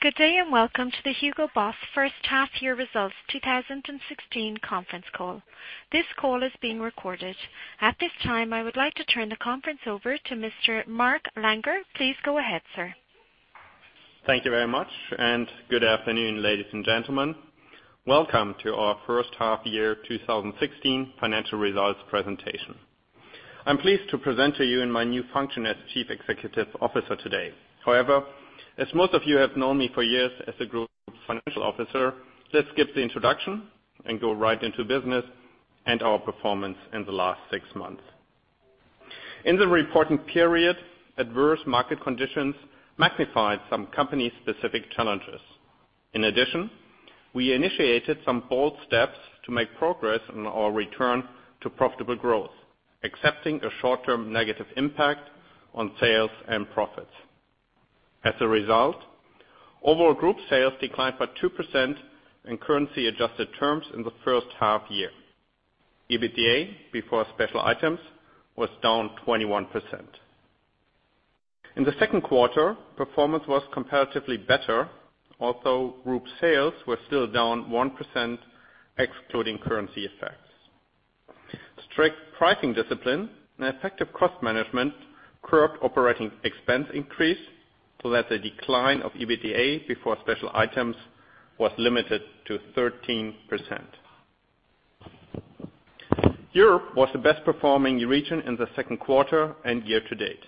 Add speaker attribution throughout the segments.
Speaker 1: Good day. Welcome to the Hugo Boss first half-year results 2016 conference call. This call is being recorded. At this time, I would like to turn the conference over to Mr. Mark Langer. Please go ahead, sir.
Speaker 2: Thank you very much. Good afternoon, ladies and gentlemen. Welcome to our first half-year 2016 financial results presentation. I am pleased to present to you in my new function as Chief Executive Officer today. However, as most of you have known me for years as the Group Financial Officer, let's skip the introduction and go right into business and our performance in the last six months. In the reporting period, adverse market conditions magnified some company-specific challenges. In addition, we initiated some bold steps to make progress on our return to profitable growth, accepting a short-term negative impact on sales and profits. As a result, overall group sales declined by 2% in currency-adjusted terms in the first half-year. EBITDA before special items was down 21%. In the second quarter, performance was comparatively better, although group sales were still down 1%, excluding currency effects. Strict pricing discipline and effective cost management curbed operating expense increase to let the decline of EBITDA before special items was limited to 13%. Europe was the best-performing region in the second quarter and year-to-date.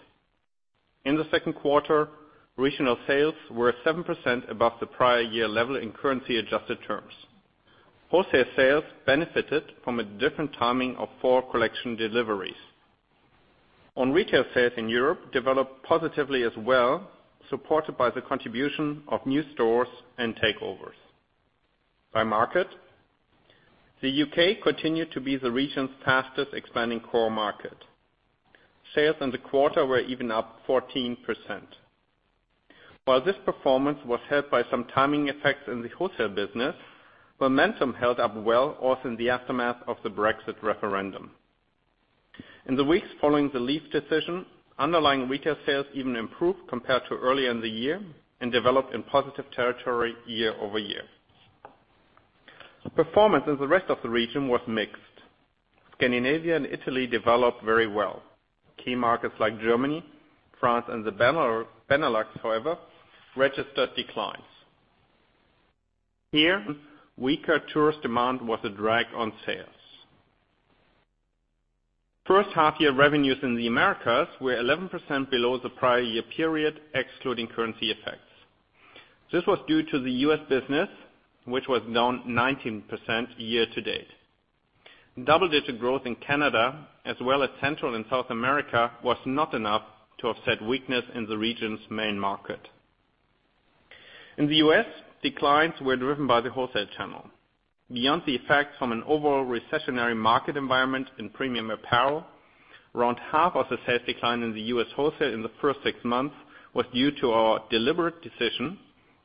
Speaker 2: In the second quarter, regional sales were 7% above the prior year level in currency-adjusted terms. Wholesale sales benefited from a different timing of fall collection deliveries. Retail sales in Europe developed positively as well, supported by the contribution of new stores and takeovers. By market, the U.K. continued to be the region's fastest-expanding core market. Sales in the quarter were even up 14%. While this performance was helped by some timing effects in the wholesale business, momentum held up well also in the aftermath of the Brexit referendum. In the weeks following the leave decision, underlying retail sales even improved compared to earlier in the year and developed in positive territory year-over-year. Performance in the rest of the region was mixed. Scandinavia and Italy developed very well. Key markets like Germany, France and the Benelux, however, registered declines. Here, weaker tourist demand was a drag on sales. First half-year revenues in the Americas were 11% below the prior year period, excluding currency effects. This was due to the U.S. business, which was down 19% year-to-date. Double-digit growth in Canada, as well as Central and South America, was not enough to offset weakness in the region's main market. In the U.S., declines were driven by the wholesale channel. Beyond the effect from an overall recessionary market environment in premium apparel, around half of the sales decline in the U.S. wholesale in the first six months was due to our deliberate decision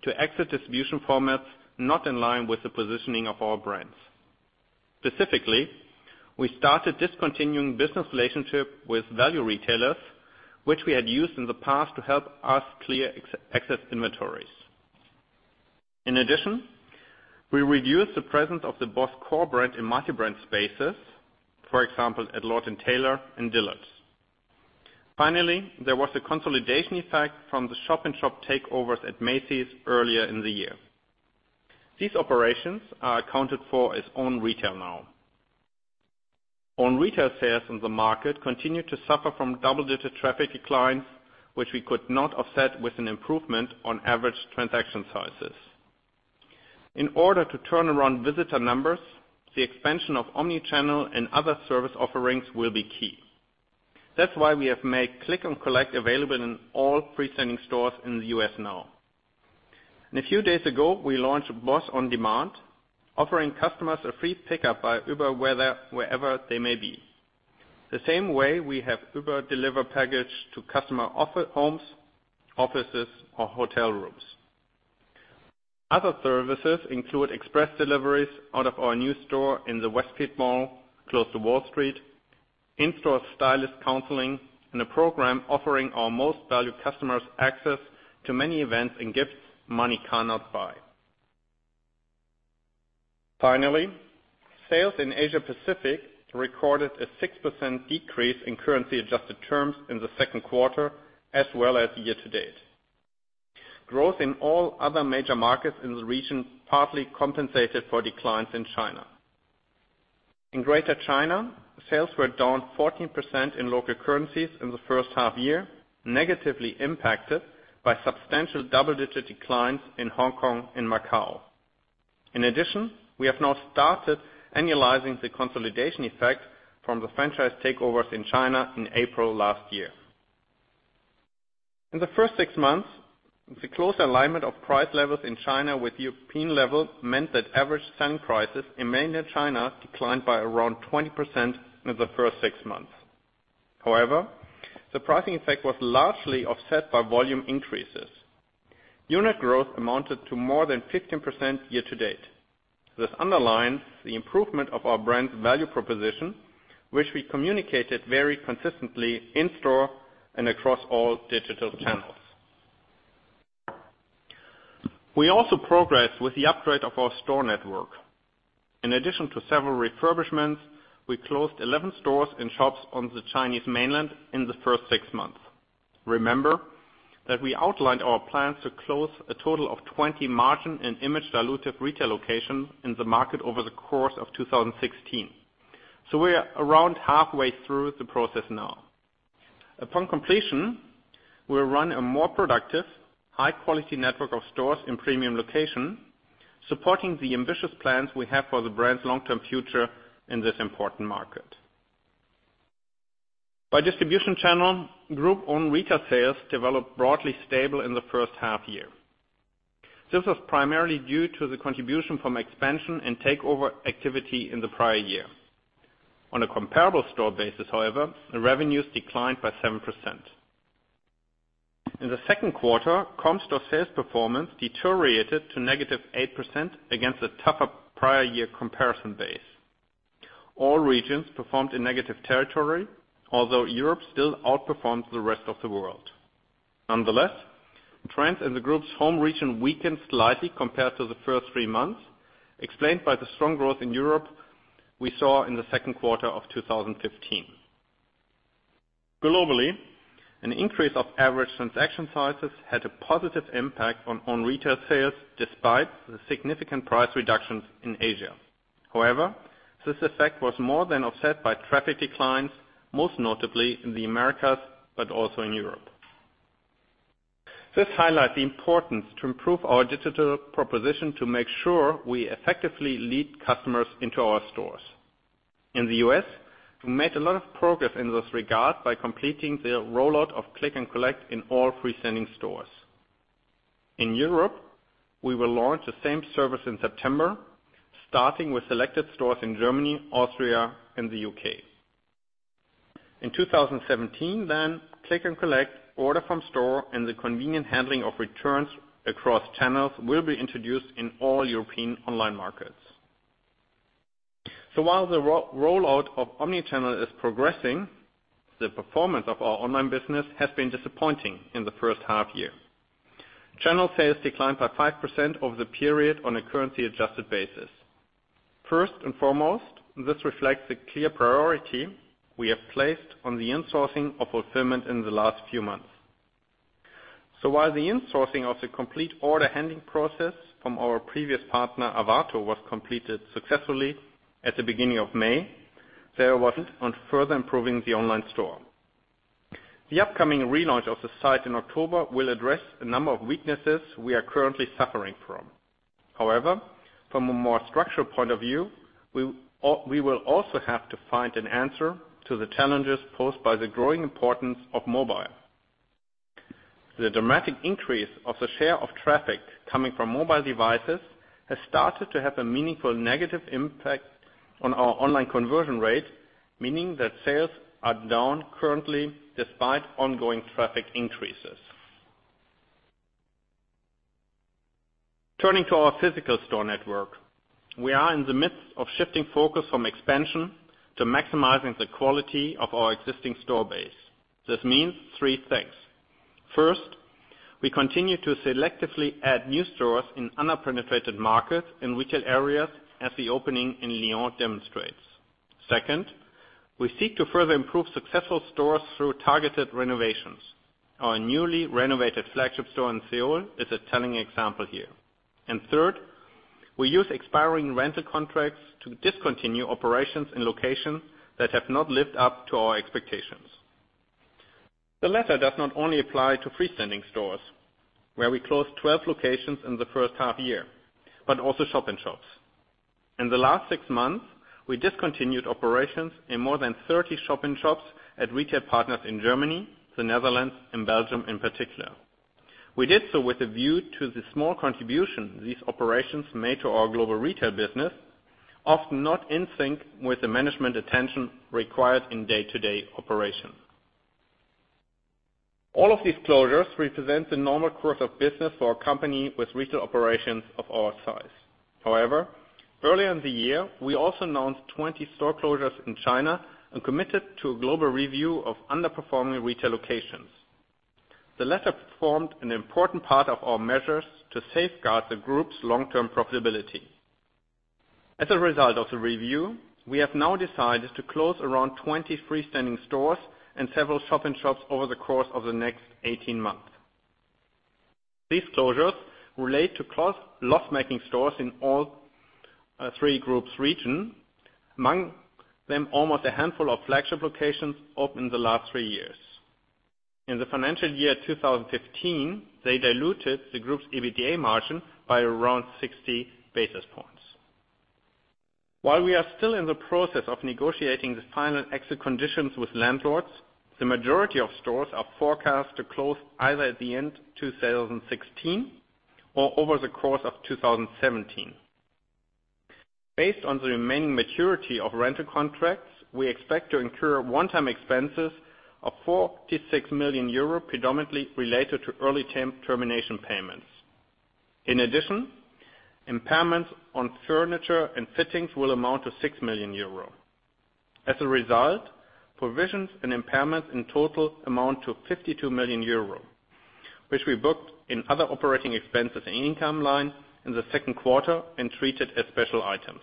Speaker 2: to exit distribution formats not in line with the positioning of our brands. Specifically, we started discontinuing business relationship with value retailers, which we had used in the past to help us clear excess inventories. In addition, we reduced the presence of the BOSS core brand in multi-brand spaces, for example, at Lord & Taylor and Dillard's. Finally, there was a consolidation effect from the shop-in-shop takeovers at Macy's earlier in the year. These operations are accounted for as own retail now. Own retail sales in the market continued to suffer from double-digit traffic declines, which we could not offset with an improvement on average transaction sizes. In order to turn around visitor numbers, the expansion of omni-channel and other service offerings will be key. That's why we have made click and collect available in all free-standing stores in the U.S. now. A few days ago, we launched BOSS On Demand, offering customers a free pickup by Uber, wherever they may be. The same way we have Uber deliver package to customer homes, offices or hotel rooms. Other services include express deliveries out of our new store in the Westfield World Trade Center, close to Wall Street, in-store stylist counseling, and a program offering our most valued customers access to many events and gifts money cannot buy. Finally, sales in Asia Pacific recorded a 6% decrease in currency-adjusted terms in the second quarter, as well as year-to-date. Growth in all other major markets in the region partly compensated for declines in China. In Greater China, sales were down 14% in local currencies in the first half-year, negatively impacted by substantial double-digit declines in Hong Kong and Macau. In addition, we have now started annualizing the consolidation effect from the franchise takeovers in China in April last year. In the first six months, the close alignment of price levels in China with European levels meant that average selling prices in mainland China declined by around 20% in the first six months. However, the pricing effect was largely offset by volume increases. Unit growth amounted to more than 15% year-to-date. This underlines the improvement of our brand's value proposition, which we communicated very consistently in-store and across all digital channels. We also progressed with the upgrade of our store network. In addition to several refurbishments, we closed 11 stores and shops on the Chinese mainland in the first six months. Remember that we outlined our plans to close a total of 20 margin and image-dilutive retail locations in the market over the course of 2016. We are around halfway through the process now. Upon completion, we'll run a more productive, high-quality network of stores in premium locations, supporting the ambitious plans we have for the brand's long-term future in this important market. By distribution channel, group-owned retail sales developed broadly stable in the first half-year. This was primarily due to the contribution from expansion and takeover activity in the prior year. On a comparable store basis, however, the revenues declined by 7%. In the second quarter, comp store sales performance deteriorated to -8% against a tougher prior year comparison base. All regions performed in negative territory, although Europe still outperforms the rest of the world. Nonetheless, trends in the group's home region weakened slightly compared to the first three months, explained by the strong growth in Europe we saw in the second quarter of 2015. Globally, an increase of average transaction sizes had a positive impact on retail sales, despite the significant price reductions in Asia. However, this effect was more than offset by traffic declines, most notably in the Americas, but also in Europe. This highlights the importance to improve our digital proposition to make sure we effectively lead customers into our stores. In the U.S., we made a lot of progress in this regard by completing the rollout of click and collect in all freestanding stores. In Europe, we will launch the same service in September, starting with selected stores in Germany, Austria, and the U.K. In 2017, click and collect, order from store, and the convenient handling of returns across channels will be introduced in all European online markets. While the rollout of omni-channel is progressing, the performance of our online business has been disappointing in the first half year. Channel sales declined by 5% over the period on a currency-adjusted basis. First and foremost, this reflects the clear priority we have placed on the insourcing of fulfillment in the last few months. While the insourcing of the complete order handling process from our previous partner, Arvato, was completed successfully at the beginning of May, there wasn't on further improving the online store. The upcoming relaunch of the site in October will address a number of weaknesses we are currently suffering from. However, from a more structural point of view, we will also have to find an answer to the challenges posed by the growing importance of mobile. The dramatic increase of the share of traffic coming from mobile devices has started to have a meaningful negative impact on our online conversion rate, meaning that sales are down currently despite ongoing traffic increases. Turning to our physical store network, we are in the midst of shifting focus from expansion to maximizing the quality of our existing store base. This means three things. First, we continue to selectively add new stores in under-penetrated markets and retail areas, as the opening in Lyon demonstrates. Second, we seek to further improve successful stores through targeted renovations. Our newly renovated flagship store in Seoul is a telling example here. Third, we use expiring rental contracts to discontinue operations in locations that have not lived up to our expectations. The latter does not only apply to freestanding stores, where we closed 12 locations in the first half year, but also shop-in-shops. In the last six months, we discontinued operations in more than 30 shop-in-shops at retail partners in Germany, the Netherlands, and Belgium in particular. We did so with a view to the small contribution these operations made to our global retail business, often not in sync with the management attention required in day-to-day operation. All of these closures represent the normal course of business for a company with retail operations of our size. However, earlier in the year, we also announced 20 store closures in China and committed to a global review of underperforming retail locations. The latter formed an important part of our measures to safeguard the group's long-term profitability. As a result of the review, we have now decided to close around 20 freestanding stores and several shop-in-shops over the course of the next 18 months. These closures relate to loss-making stores in all three groups region, among them, almost a handful of flagship locations opened in the last three years. In the financial year 2015, they diluted the group's EBITDA margin by around 60 basis points. While we are still in the process of negotiating the final exit conditions with landlords, the majority of stores are forecast to close either at the end of 2016 or over the course of 2017. Based on the remaining maturity of rental contracts, we expect to incur one-time expenses of 46 million euro, predominantly related to early term termination payments. In addition, impairments on furniture and fittings will amount to 6 million euro. As a result, provisions and impairments in total amount to 52 million euro, which we booked in other operating expenses and income line in the second quarter and treated as special items.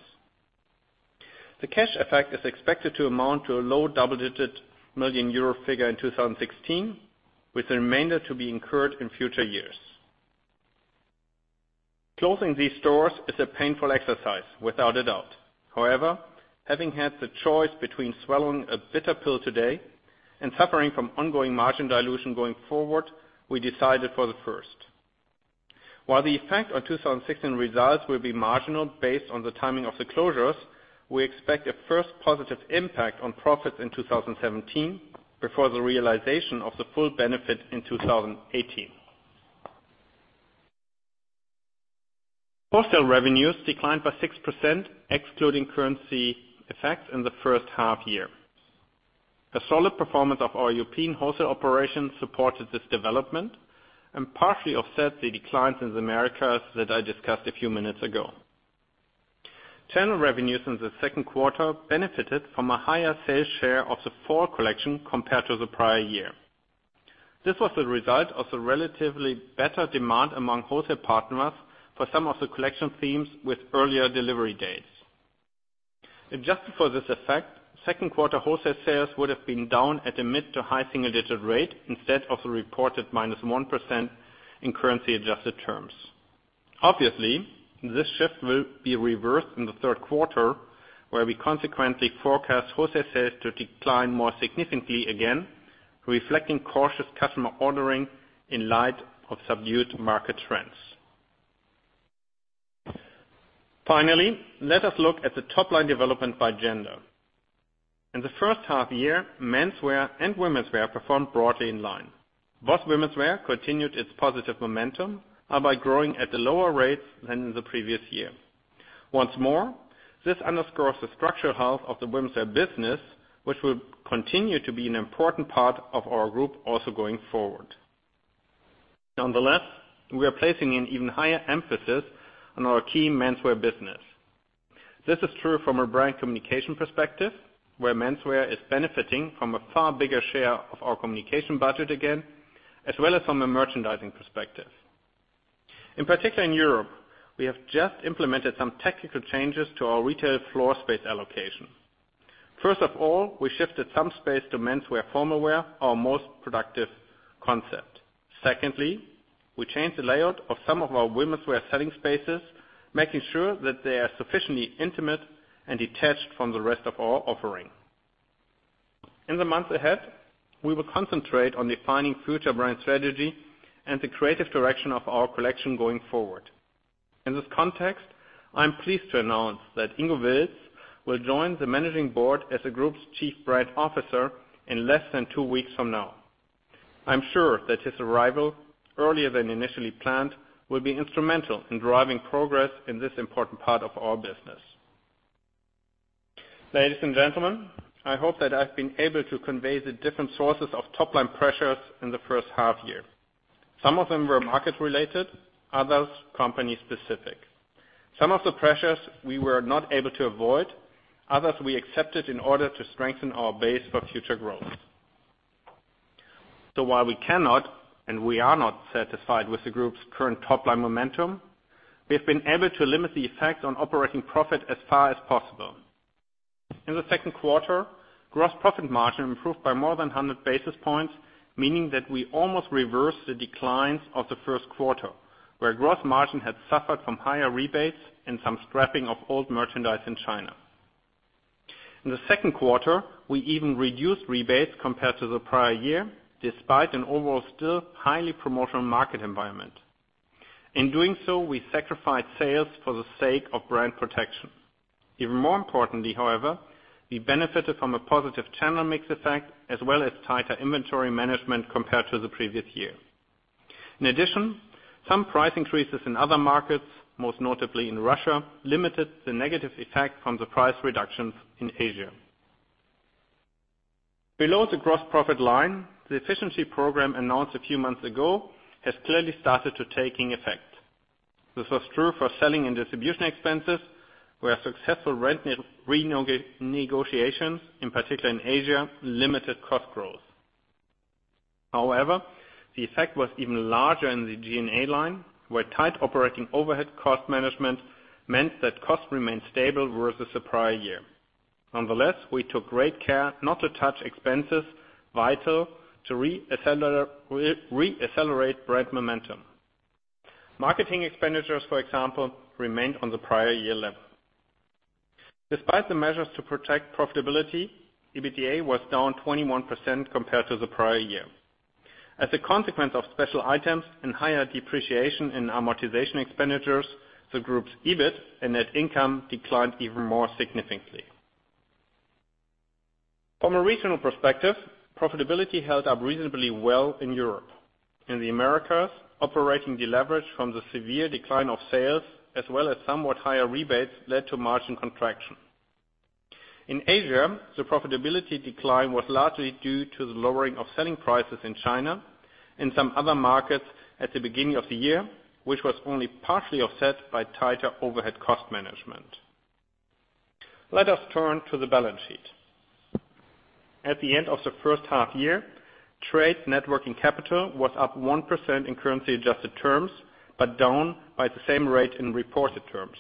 Speaker 2: The cash effect is expected to amount to a low double-digit million EUR figure in 2016, with the remainder to be incurred in future years. Closing these stores is a painful exercise, without a doubt. However, having had the choice between swallowing a bitter pill today and suffering from ongoing margin dilution going forward, we decided for the first. While the effect on 2016 results will be marginal based on the timing of the closures, we expect a first positive impact on profits in 2017 before the realization of the full benefit in 2018. Wholesale revenues declined by 6%, excluding currency effects in the first half year. The solid performance of our European wholesale operations supported this development and partially offset the declines in the Americas that I discussed a few minutes ago. Channel revenues in the second quarter benefited from a higher sales share of the fall collection compared to the prior year. This was the result of the relatively better demand among wholesale partners for some of the collection themes with earlier delivery dates. Adjusted for this effect, second quarter wholesale sales would have been down at a mid to high single-digit rate instead of the reported -1% in currency-adjusted terms. Obviously, this shift will be reversed in the third quarter, where we consequently forecast wholesale sales to decline more significantly again, reflecting cautious customer ordering in light of subdued market trends. Finally, let us look at the top-line development by gender. In the first half year, menswear and womenswear performed broadly in line. BOSS Womenswear continued its positive momentum and by growing at a lower rate than in the previous year. Once more, this underscores the structural health of the womenswear business, which will continue to be an important part of our group also going forward. Nonetheless, we are placing an even higher emphasis on our key menswear business. This is true from a brand communication perspective, where menswear is benefiting from a far bigger share of our communication budget again, as well as from a merchandising perspective. In particular in Europe, we have just implemented some technical changes to our retail floor space allocation. First of all, we shifted some space to menswear formal wear, our most productive concept. Secondly, we changed the layout of some of our womenswear selling spaces, making sure that they are sufficiently intimate and detached from the rest of our offering. In the months ahead, we will concentrate on defining future brand strategy and the creative direction of our collection going forward. In this context, I am pleased to announce that Ingo Wilts will join the Managing Board as the group's Chief Brand Officer in less than two weeks from now. I'm sure that his arrival, earlier than initially planned, will be instrumental in driving progress in this important part of our business. Ladies and gentlemen, I hope that I've been able to convey the different sources of top-line pressures in the first half-year. Some of them were market related, others company specific. Some of the pressures we were not able to avoid, others we accepted in order to strengthen our base for future growth. While we cannot and we are not satisfied with the group's current top-line momentum, we have been able to limit the effect on operating profit as far as possible. In the second quarter, gross profit margin improved by more than 100 basis points, meaning that we almost reversed the declines of the first quarter, where gross margin had suffered from higher rebates and some scrapping of old merchandise in China. In the second quarter, we even reduced rebates compared to the prior year, despite an overall still highly promotional market environment. In doing so, we sacrificed sales for the sake of brand protection. Even more importantly, however, we benefited from a positive channel mix effect as well as tighter inventory management compared to the previous year. In addition, some price increases in other markets, most notably in Russia, limited the negative effect from the price reductions in Asia. Below the gross profit line, the efficiency program announced a few months ago has clearly started to taking effect. This was true for selling and distribution expenses, where successful rent renegotiations, in particular in Asia, limited cost growth. However, the effect was even larger in the G&A line, where tight operating overhead cost management meant that costs remained stable versus the prior year. Nonetheless, we took great care not to touch expenses vital to re-accelerate brand momentum. Marketing expenditures, for example, remained on the prior year level. Despite the measures to protect profitability, EBITDA was down 21% compared to the prior year. As a consequence of special items and higher depreciation in amortization expenditures, the group's EBIT and net income declined even more significantly. From a regional perspective, profitability held up reasonably well in Europe. In the Americas, operating the leverage from the severe decline of sales, as well as somewhat higher rebates led to margin contraction. In Asia, the profitability decline was largely due to the lowering of selling prices in China and some other markets at the beginning of the year, which was only partially offset by tighter overhead cost management. Let us turn to the balance sheet. At the end of the first half-year, trade net working capital was up 1% in currency-adjusted terms, but down by the same rate in reported terms.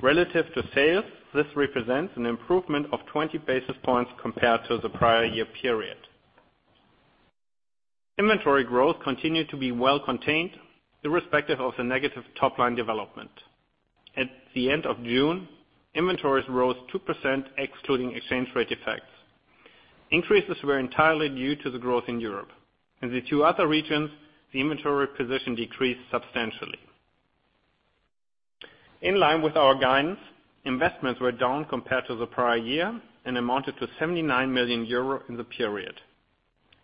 Speaker 2: Relative to sales, this represents an improvement of 20 basis points compared to the prior year period. Inventory growth continued to be well contained, irrespective of the negative top-line development. At the end of June, inventories rose 2% excluding exchange rate effects. Increases were entirely due to the growth in Europe. In the two other regions, the inventory position decreased substantially. In line with our guidance, investments were down compared to the prior year and amounted to 79 million euro in the period.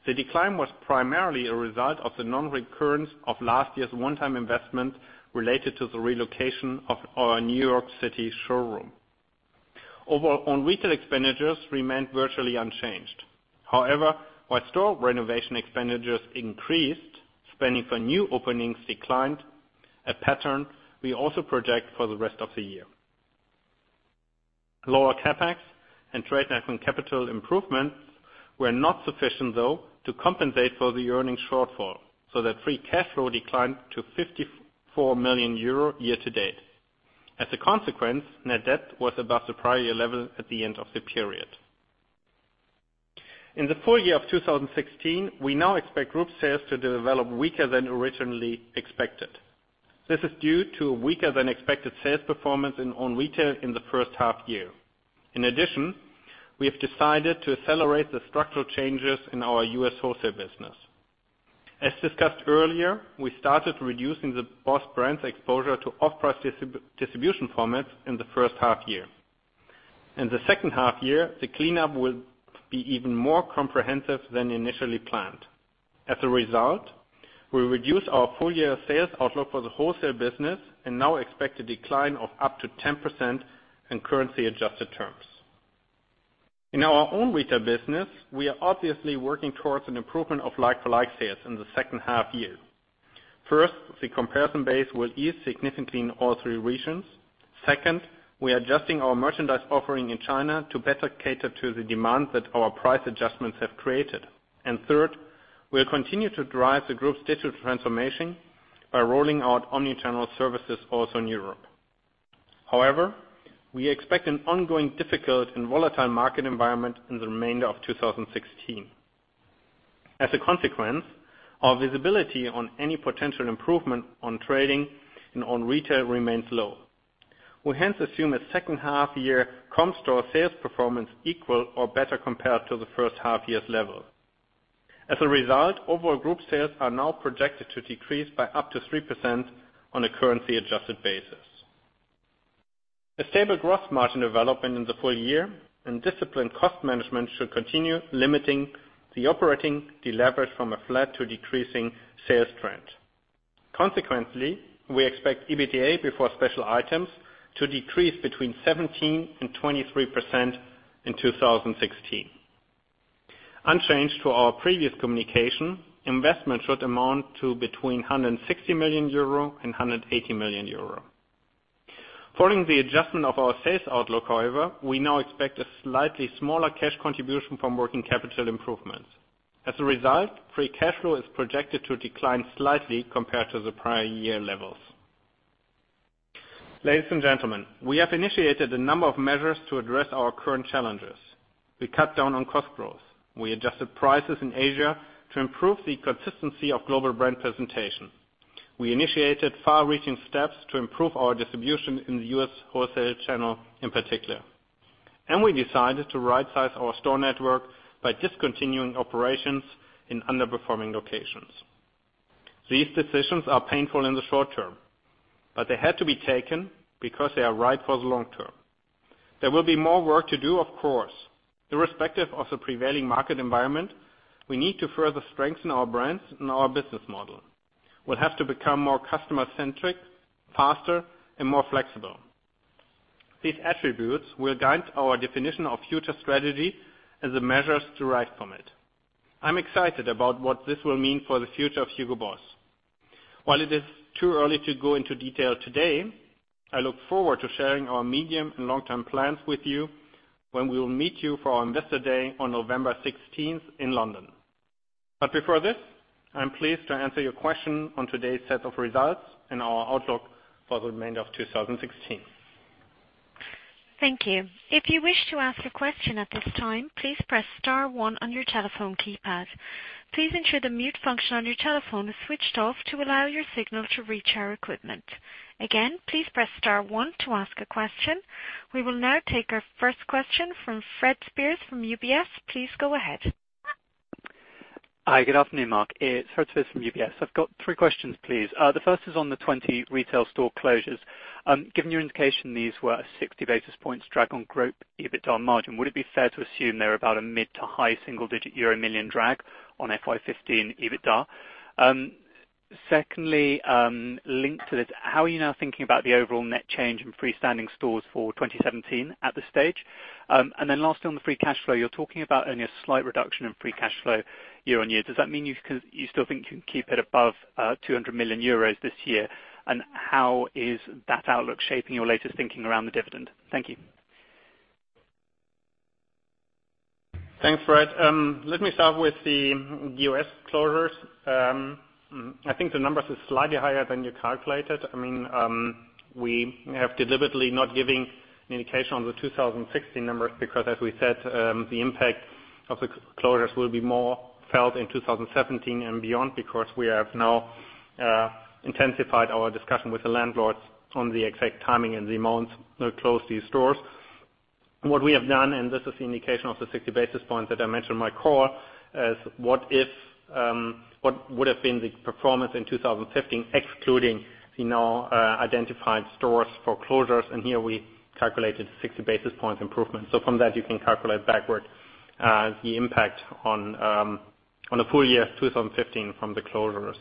Speaker 2: The decline was primarily a result of the non-recurrence of last year's one-time investment related to the relocation of our New York City showroom. Overall own retail expenditures remained virtually unchanged. However, while store renovation expenditures increased, spending for new openings declined. A pattern we also project for the rest of the year. Lower CapEx and trade net on capital improvements were not sufficient though to compensate for the earnings shortfall, so that free cash flow declined to 54 million euro year-to-date. As a consequence, net debt was above the prior year level at the end of the period. In the full year of 2016, we now expect group sales to develop weaker than originally expected. This is due to weaker than expected sales performance in own retail in the first half-year. In addition, we have decided to accelerate the structural changes in our U.S. wholesale business. As discussed earlier, we started reducing the BOSS brands exposure to off-price distribution formats in the first half-year. In the second half-year, the cleanup will be even more comprehensive than initially planned. As a result, we reduce our full-year sales outlook for the wholesale business and now expect a decline of up to 10% in currency-adjusted terms. In our own retail business, we are obviously working towards an improvement of like-for-like sales in the second half-year. First, the comparison base will ease significantly in all three regions. Second, we are adjusting our merchandise offering in China to better cater to the demand that our price adjustments have created. Third, we'll continue to drive the group's digital transformation by rolling out omni-channel services also in Europe. However, we expect an ongoing difficult and volatile market environment in the remainder of 2016. As a consequence, our visibility on any potential improvement on trading and on retail remains low. We hence assume a second half-year comp store sales performance equal or better compared to the first half-year's level. As a result, overall group sales are now projected to decrease by up to 3% on a currency-adjusted basis. A stable gross margin development in the full year and disciplined cost management should continue limiting the operating leverage from a flat to decreasing sales trend. Consequently, we expect EBITDA before special items to decrease between 17% and 23% in 2016. Unchanged to our previous communication, investments should amount to between 160 million euro and 180 million euro. Following the adjustment of our sales outlook, however, we now expect a slightly smaller cash contribution from working capital improvements. As a result, free cash flow is projected to decline slightly compared to the prior year levels. Ladies and gentlemen, we have initiated a number of measures to address our current challenges. We cut down on cost growth. We adjusted prices in Asia to improve the consistency of global brand presentation. We initiated far-reaching steps to improve our distribution in the U.S. wholesale channel in particular. We decided to rightsize our store network by discontinuing operations in underperforming locations. These decisions are painful in the short term, but they had to be taken because they are right for the long term. There will be more work to do, of course. Irrespective of the prevailing market environment, we need to further strengthen our brands and our business model. We'll have to become more customer-centric, faster, and more flexible. These attributes will guide our definition of future strategy as the measures derive from it. I'm excited about what this will mean for the future of Hugo Boss. While it is too early to go into detail today, I look forward to sharing our medium and long-term plans with you when we will meet you for our Investor Day on November 16th in London. Before this, I am pleased to answer your question on today's set of results and our outlook for the remainder of 2016.
Speaker 1: Thank you. If you wish to ask a question at this time, please press star one on your telephone keypad. Please ensure the mute function on your telephone is switched off to allow your signal to reach our equipment. Again, please press star one to ask a question. We will now take our first question from Fred Speirs from UBS. Please go ahead.
Speaker 3: Hi, good afternoon, Mark. It's Fred Speirs from UBS. I've got three questions, please. The first is on the 20 retail store closures. Given your indication, these were 60 basis points drag on group EBITDA margin, would it be fair to assume they're about a mid to high single-digit euro million drag on FY 2015 EBITDA? Secondly, linked to this, how are you now thinking about the overall net change in freestanding stores for 2017 at this stage? Lastly, on the free cash flow, you're talking about only a slight reduction in free cash flow year-on-year. Does that mean you still think you can keep it above 200 million euros this year? And how is that outlook shaping your latest thinking around the dividend? Thank you.
Speaker 2: Thanks, Fred. Let me start with the U.S. closures. I think the numbers are slightly higher than you calculated. We have deliberately not giving an indication on the 2016 numbers because, as we said, the impact of the closures will be more felt in 2017 and beyond because we have now intensified our discussion with the landlords on the exact timing and the amounts to close these stores. What we have done, and this is the indication of the 60 basis points that I mentioned in my call, is what would have been the performance in 2015, excluding the now identified stores for closures, and here we calculated 60 basis points improvement. From that, you can calculate backwards the impact on the full year 2015 from the closures.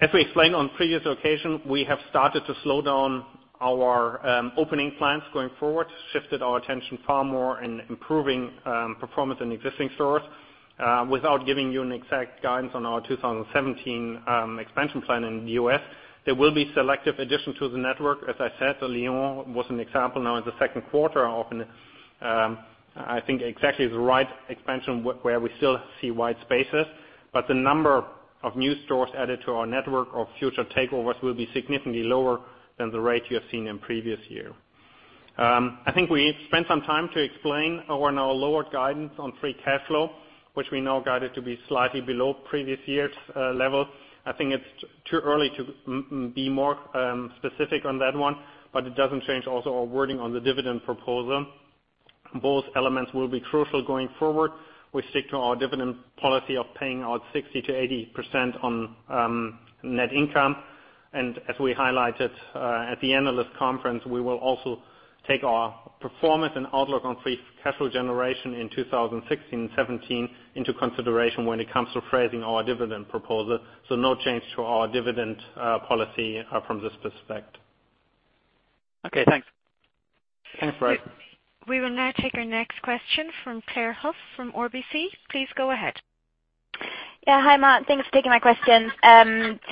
Speaker 2: As we explained on previous occasion, we have started to slow down our opening plans going forward, shifted our attention far more in improving performance in existing stores. Without giving you an exact guidance on our 2017 expansion plan in the U.S., there will be selective addition to the network. As I said, Lyon was an example now in the second quarter, opened I think exactly the right expansion where we still see white spaces, but the number of new stores added to our network or future takeovers will be significantly lower than the rate you have seen in previous year. I think we spent some time to explain our now lower guidance on free cash flow, which we now guided to be slightly below previous year's level. I think it's too early to be more specific on that one, but it doesn't change also our wording on the dividend proposal. Both elements will be crucial going forward. We stick to our dividend policy of paying out 60%-80% on net income. As we highlighted at the analyst conference, we will also take our performance and outlook on free cash flow generation in 2016 and 2017 into consideration when it comes to phrasing our dividend proposal. No change to our dividend policy from this perspective.
Speaker 3: Okay, thanks.
Speaker 2: Thanks, Fred.
Speaker 1: We will now take our next question from Claire Huff from RBC. Please go ahead.
Speaker 4: Yeah. Hi, Mark. Thanks for taking my question.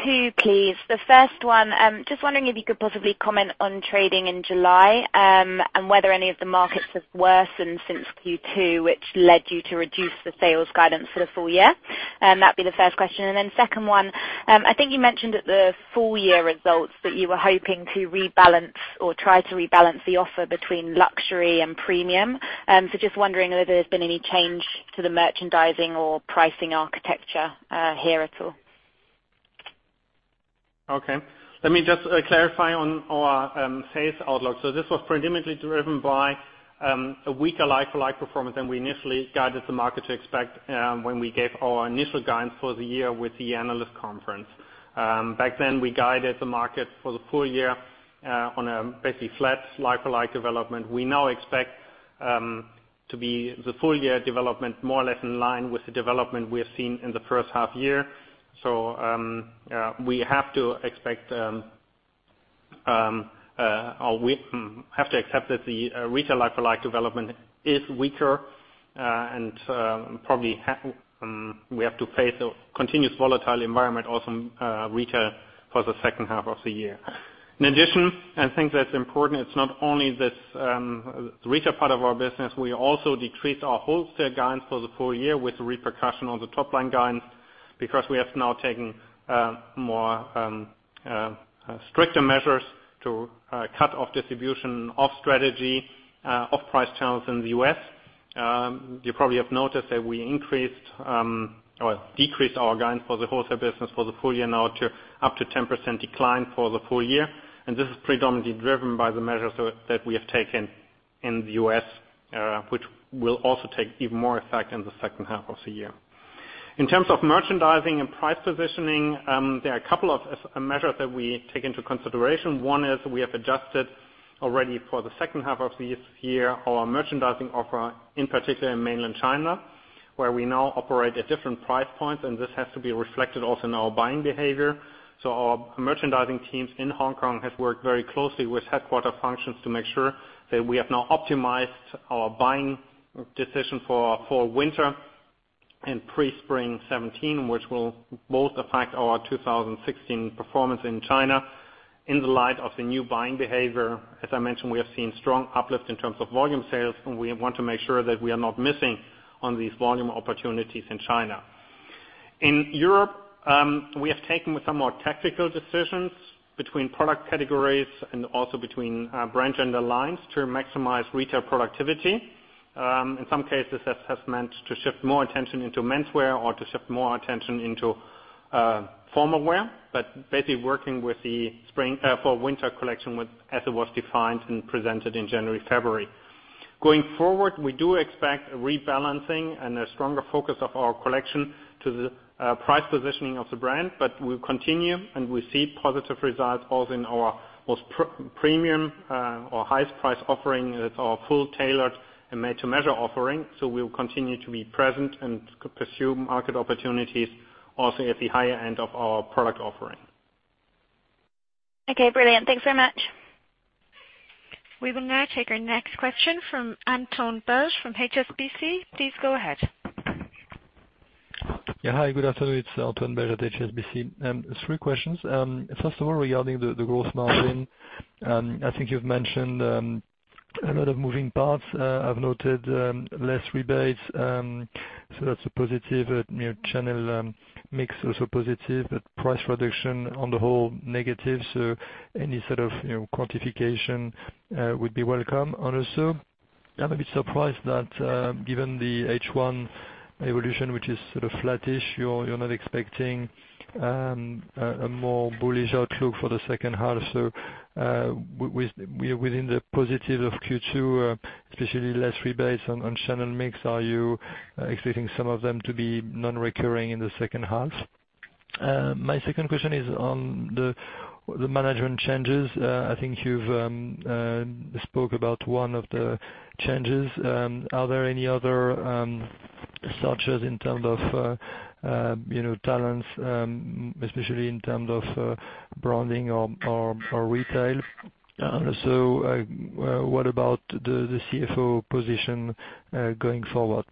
Speaker 4: Two, please. The first one, just wondering if you could possibly comment on trading in July, and whether any of the markets have worsened since Q2, which led you to reduce the sales guidance for the full year. That'd be the first question. Second one, I think you mentioned at the full year results that you were hoping to rebalance or try to rebalance the offer between luxury and premium. Just wondering whether there's been any change to the merchandising or pricing architecture here at all.
Speaker 2: Okay. Let me just clarify on our sales outlook. This was predominantly driven by a weaker like-for-like performance than we initially guided the market to expect when we gave our initial guidance for the year with the analyst conference. Back then, we guided the market for the full year on a basically flat like-for-like development. We now expect to be the full year development more or less in line with the development we have seen in the first half year. We have to accept that the retail like-for-like development is weaker, and probably we have to face a continuous volatile environment also in retail for the second half of the year. In addition, I think that's important, it's not only this retail part of our business, we also decreased our wholesale guidance for the full year with repercussion on the top-line guidance because we have now taken stricter measures to cut off distribution off strategy, off price channels in the U.S. You probably have noticed that we decreased our guidance for the wholesale business for the full year now up to 10% decline for the full year. This is predominantly driven by the measures that we have taken in the U.S., which will also take even more effect in the second half of the year. In terms of merchandising and price positioning, there are a couple of measures that we take into consideration. One is we have adjusted already for the second half of this year, our merchandising offer, in particular in mainland China, where we now operate at different price points, and this has to be reflected also in our buying behavior. Our merchandising teams in Hong Kong have worked very closely with headquarter functions to make sure that we have now optimized our buying decision for winter and pre-spring 2017, which will both affect our 2016 performance in China. In the light of the new buying behavior, as I mentioned, we have seen strong uplift in terms of volume sales, and we want to make sure that we are not missing on these volume opportunities in China. In Europe, we have taken some more tactical decisions between product categories and also between brand and the lines to maximize retail productivity. In some cases, that has meant to shift more attention into menswear or to shift more attention into formalwear, basically working with the fall winter collection as it was defined and presented in January, February. Going forward, we do expect a rebalancing and a stronger focus of our collection to the price positioning of the brand. We'll continue, and we see positive results both in our most premium or highest price offering with our full tailored and made-to-measure offering. We will continue to be present and pursue market opportunities also at the higher end of our product offering.
Speaker 4: Okay, brilliant. Thanks very much.
Speaker 1: We will now take our next question from Antoine Belge from HSBC. Please go ahead.
Speaker 5: Yeah. Hi, good afternoon. It's Antoine Belge at HSBC. Three questions. Regarding the gross margin, I think you've mentioned a lot of moving parts. I've noted less rebates, so that's a positive. Channel mix also positive, price reduction on the whole, negative. Any sort of quantification would be welcome. I'm a bit surprised that given the H1 evolution, which is sort of flattish, you're not expecting a more bullish outlook for the second half. Within the positive of Q2, especially less rebates on channel mix, are you expecting some of them to be non-recurring in the second half? My second question is on the management changes. I think you've spoke about one of the changes. Are there any other searches in terms of talents, especially in terms of branding or retail? What about the CFO position, going forward?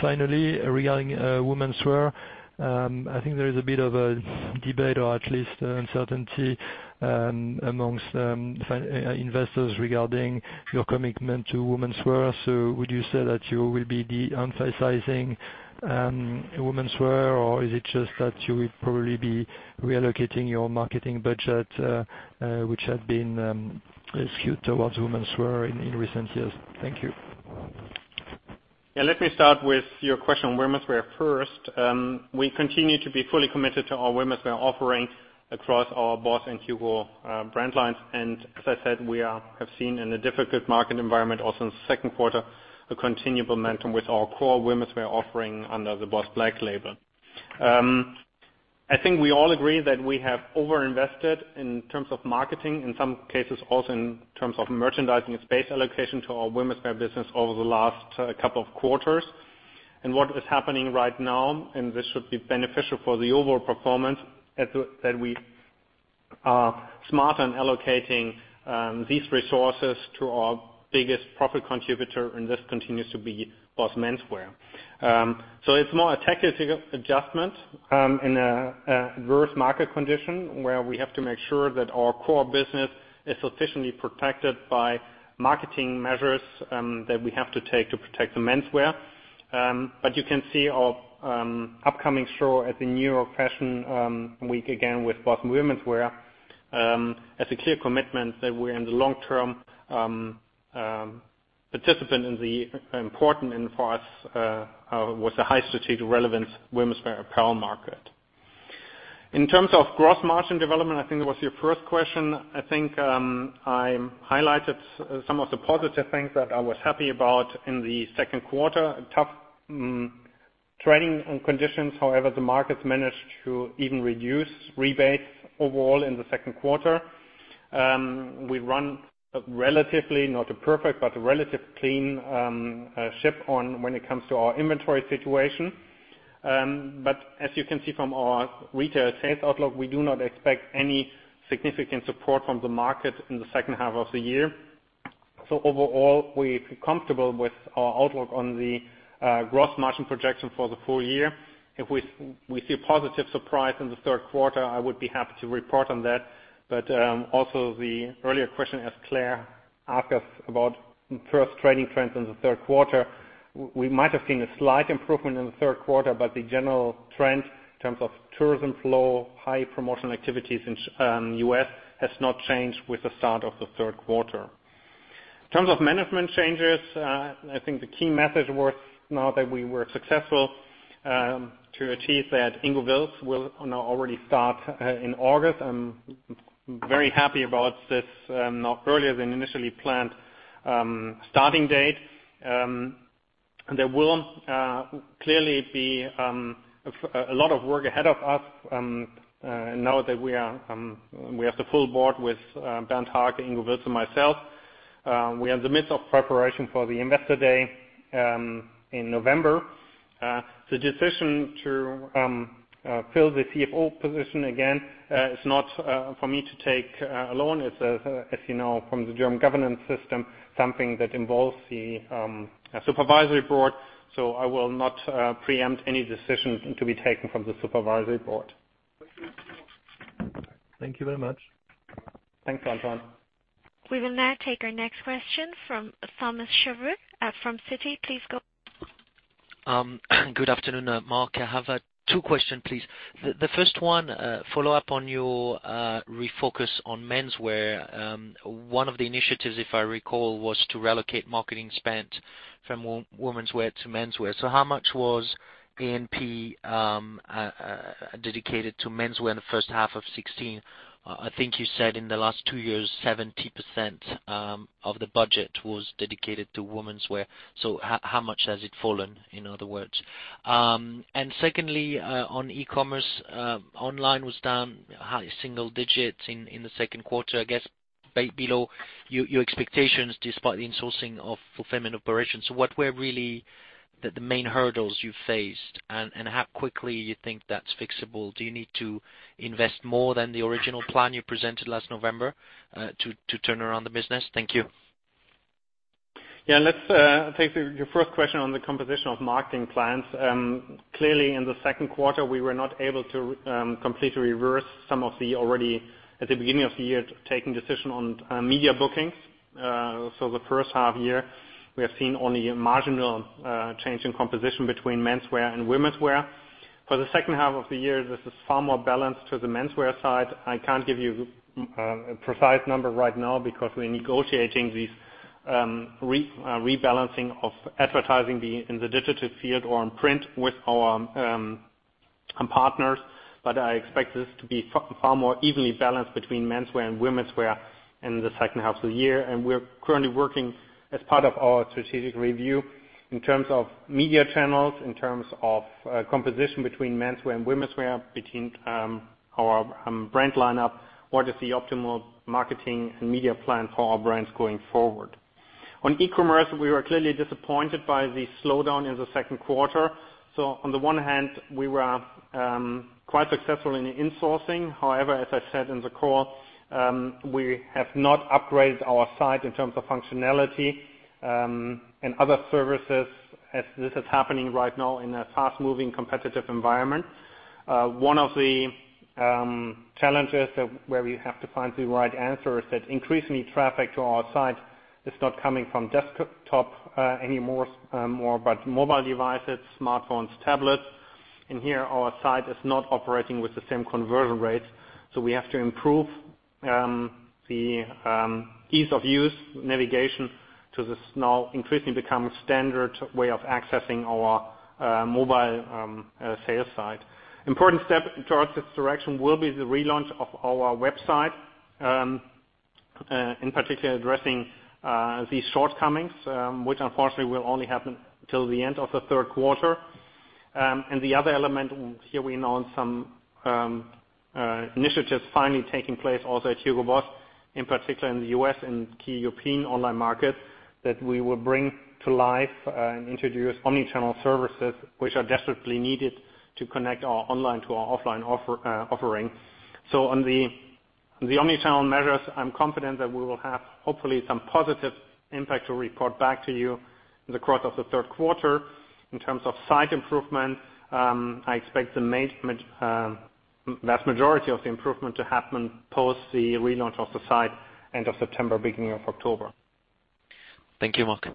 Speaker 5: Finally, regarding womenswear. I think there is a bit of a debate or at least uncertainty amongst investors regarding your commitment to womenswear. Would you say that you will be de-emphasizing womenswear, or is it just that you will probably be reallocating your marketing budget, which had been skewed towards womenswear in recent years? Thank you.
Speaker 2: Yeah. Let me start with your question on womenswear first. We continue to be fully committed to our womenswear offering across our BOSS and HUGO brand lines. As I said, we have seen in a difficult market environment, also in the second quarter, a continued momentum with our core womenswear offering under the BOSS Black label. I think we all agree that we have overinvested in terms of marketing, in some cases, also in terms of merchandising and space allocation to our womenswear business over the last couple of quarters. What is happening right now, and this should be beneficial for the overall performance, that we are smart on allocating these resources to our biggest profit contributor, and this continues to be BOSS Menswear. It's more a tactical adjustment in a adverse market condition where we have to make sure that our core business is sufficiently protected by marketing measures that we have to take to protect the menswear. You can see our upcoming show at the New York Fashion Week, again with BOSS Womenswear, as a clear commitment that we're in the long term participant in the important, and for us, with a high strategic relevance womenswear apparel market. In terms of gross margin development, I think that was your first question. I think I highlighted some of the positive things that I was happy about in the second quarter. Tough trading conditions, however, the markets managed to even reduce rebates overall in the second quarter. We run relatively, not a perfect, but a relative clean ship on when it comes to our inventory situation. As you can see from our retail sales outlook, we do not expect any significant support from the market in the second half of the year. Overall, we feel comfortable with our outlook on the gross margin projection for the full year. If we see a positive surprise in the third quarter, I would be happy to report on that. Also the earlier question as Claire asked us about first trading trends in the third quarter. We might have seen a slight improvement in the third quarter, but the general trend in terms of tourism flow, high promotional activities in the U.S., has not changed with the start of the third quarter. In terms of management changes, I think the key message was now that we were successful to achieve that Ingo Wilts will now already start in August. I'm very happy about this now earlier than initially planned starting date. There will clearly be a lot of work ahead of us now that we have the full board with Bernd Hake, Ingo Wilts, and myself. We are in the midst of preparation for the investor day in November. The decision to fill the CFO position again is not for me to take alone. As you know from the German governance system, something that involves the supervisory board. I will not preempt any decisions to be taken from the supervisory board.
Speaker 5: Thank you very much.
Speaker 2: Thanks, Antoine.
Speaker 1: We will now take our next question from Thomas Chauvet from Citi. Please.
Speaker 6: Good afternoon, Mark. I have two questions, please. The first one, follow up on your refocus on menswear. One of the initiatives, if I recall, was to reallocate marketing spend from womenswear to menswear. How much was A&P dedicated to menswear in the first half of 2016? I think you said in the last two years, 70% of the budget was dedicated to womenswear. How much has it fallen, in other words? Secondly, on e-commerce. Online was down high single digits in the second quarter, I guess below your expectations despite the insourcing of fulfillment operations. What were really the main hurdles you faced, and how quickly you think that's fixable? Do you need to invest more than the original plan you presented last November to turn around the business? Thank you.
Speaker 2: Yeah. Let's take your first question on the composition of marketing plans. Clearly, in the second quarter, we were not able to completely reverse some of the already, at the beginning of the year, taken decision on media bookings. The first half year, we have seen only a marginal change in composition between menswear and womenswear. For the second half of the year, this is far more balanced to the menswear side. I can't give you a precise number right now because we're negotiating these rebalancing of advertising in the digital field or on print with our partners. I expect this to be far more evenly balanced between menswear and womenswear in the second half of the year. We're currently working as part of our strategic review in terms of media channels, in terms of composition between menswear and womenswear, between our brand lineup. What is the optimal marketing and media plan for our brands going forward? On e-commerce, we were clearly disappointed by the slowdown in the second quarter. On the one hand, we were quite successful in the insourcing. However, as I said in the call, we have not upgraded our site in terms of functionality, and other services as this is happening right now in a fast-moving competitive environment. One of the challenges where we have to find the right answer is that increasingly traffic to our site is not coming from desktop anymore, but mobile devices, smartphones, tablets. Here our site is not operating with the same conversion rates. We have to improve the ease of use navigation to this now increasingly becoming standard way of accessing our mobile sales site. Important step towards this direction will be the relaunch of our website, in particular addressing these shortcomings, which unfortunately will only happen till the end of the third quarter. The other element here we announced some initiatives finally taking place also at Hugo Boss, in particular in the U.S. and key European online markets, that we will bring to life and introduce omni-channel services, which are desperately needed to connect our online to our offline offering. On the omni-channel measures, I'm confident that we will have hopefully some positive impact to report back to you in the course of the third quarter. In terms of site improvement, I expect the vast majority of the improvement to happen post the relaunch of the site, end of September, beginning of October.
Speaker 6: Thank you, Mark.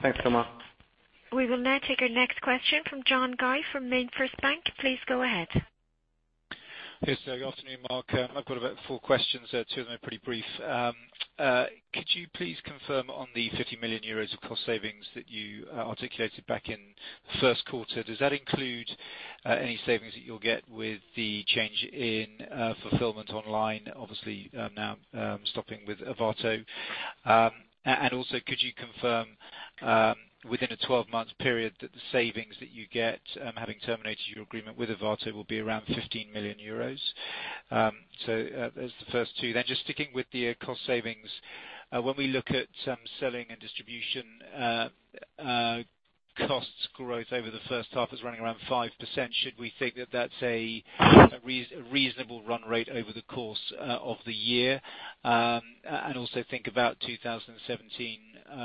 Speaker 2: Thanks, Thomas.
Speaker 1: We will now take our next question from John Guy from MainFirst Bank. Please go ahead.
Speaker 7: Yes. Good afternoon, Mark. I've got about four questions. Two of them are pretty brief. Could you please confirm on the 50 million euros of cost savings that you articulated back in the first quarter. Does that include any savings that you'll get with the change in fulfillment online, obviously now stopping with Arvato? Also could you confirm within a 12-month period that the savings that you get having terminated your agreement with Arvato will be around 15 million euros? There's the first two. Just sticking with the cost savings. When we look at selling and distribution costs growth over the first half is running around 5%. Should we think that that's a reasonable run rate over the course of the year? Also think about 2017,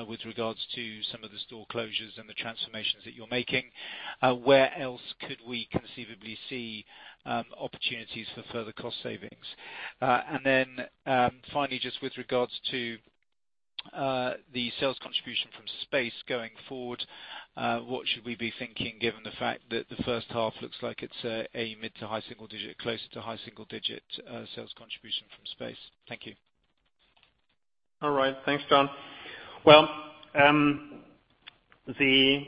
Speaker 7: with regards to some of the store closures and the transformations that you're making. Where else could we conceivably see opportunities for further cost savings? Finally, just with regards to the sales contribution from space going forward, what should we be thinking given the fact that the first half looks like it's a mid to high single-digit, close to high single-digit sales contribution from space? Thank you.
Speaker 2: All right. Thanks, John. The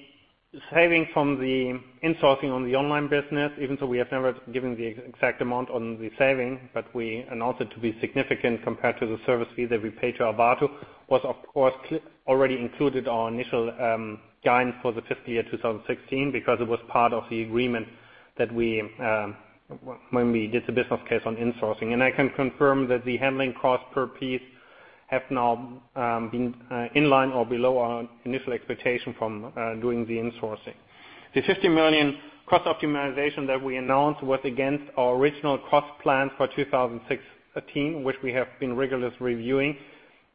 Speaker 2: saving from the insourcing on the online business, even though we have never given the exact amount on the saving, but we announced it to be significant compared to the service fee that we paid to Arvato, was of course already included our initial guide for the fiscal year 2016, because it was part of the agreement when we did the business case on insourcing. I can confirm that the handling cost per piece have now been in line or below our initial expectation from doing the insourcing. The 50 million cost optimization that we announced was against our original cost plan for 2016, which we have been rigorously reviewing.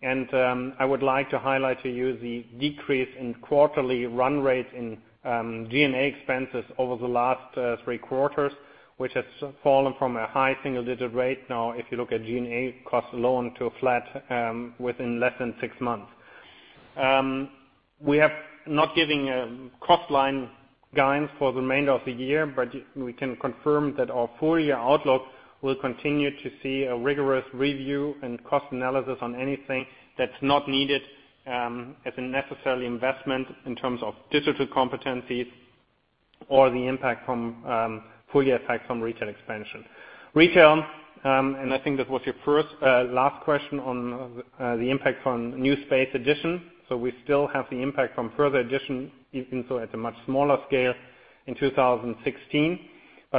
Speaker 2: I would like to highlight to you the decrease in quarterly run rate in G&A expenses over the last three quarters, which has fallen from a high single-digit rate now if you look at G&A cost alone to a flat within less than six months. We are not giving a cost line guidance for the remainder of the year, we can confirm that our full-year outlook will continue to see a rigorous review and cost analysis on anything that's not needed as a necessary investment in terms of digital competencies or the full-year impact from retail expansion. Retail. I think that was your last question on the impact from new space addition. We still have the impact from further addition, even though at a much smaller scale in 2016,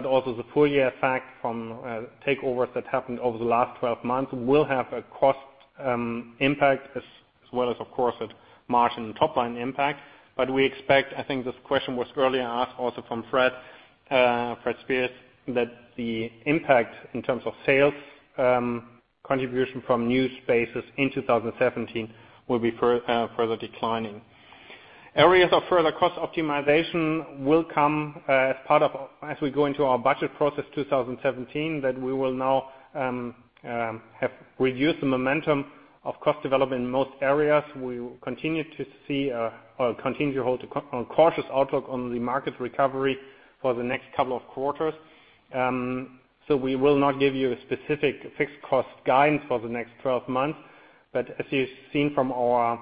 Speaker 2: also the full-year effect from takeovers that happened over the last 12 months will have a cost impact as well as, of course, a margin top-line impact. We expect, I think this question was earlier asked also from Fred Speirs, that the impact in terms of sales contribution from new spaces in 2017 will be further declining. Areas of further cost optimization will come as we go into our budget process 2017, that we will now have reduced the momentum of cost development in most areas. We will continue to hold a cautious outlook on the market recovery for the next couple of quarters. We will not give you a specific fixed cost guide for the next 12 months. As you've seen from our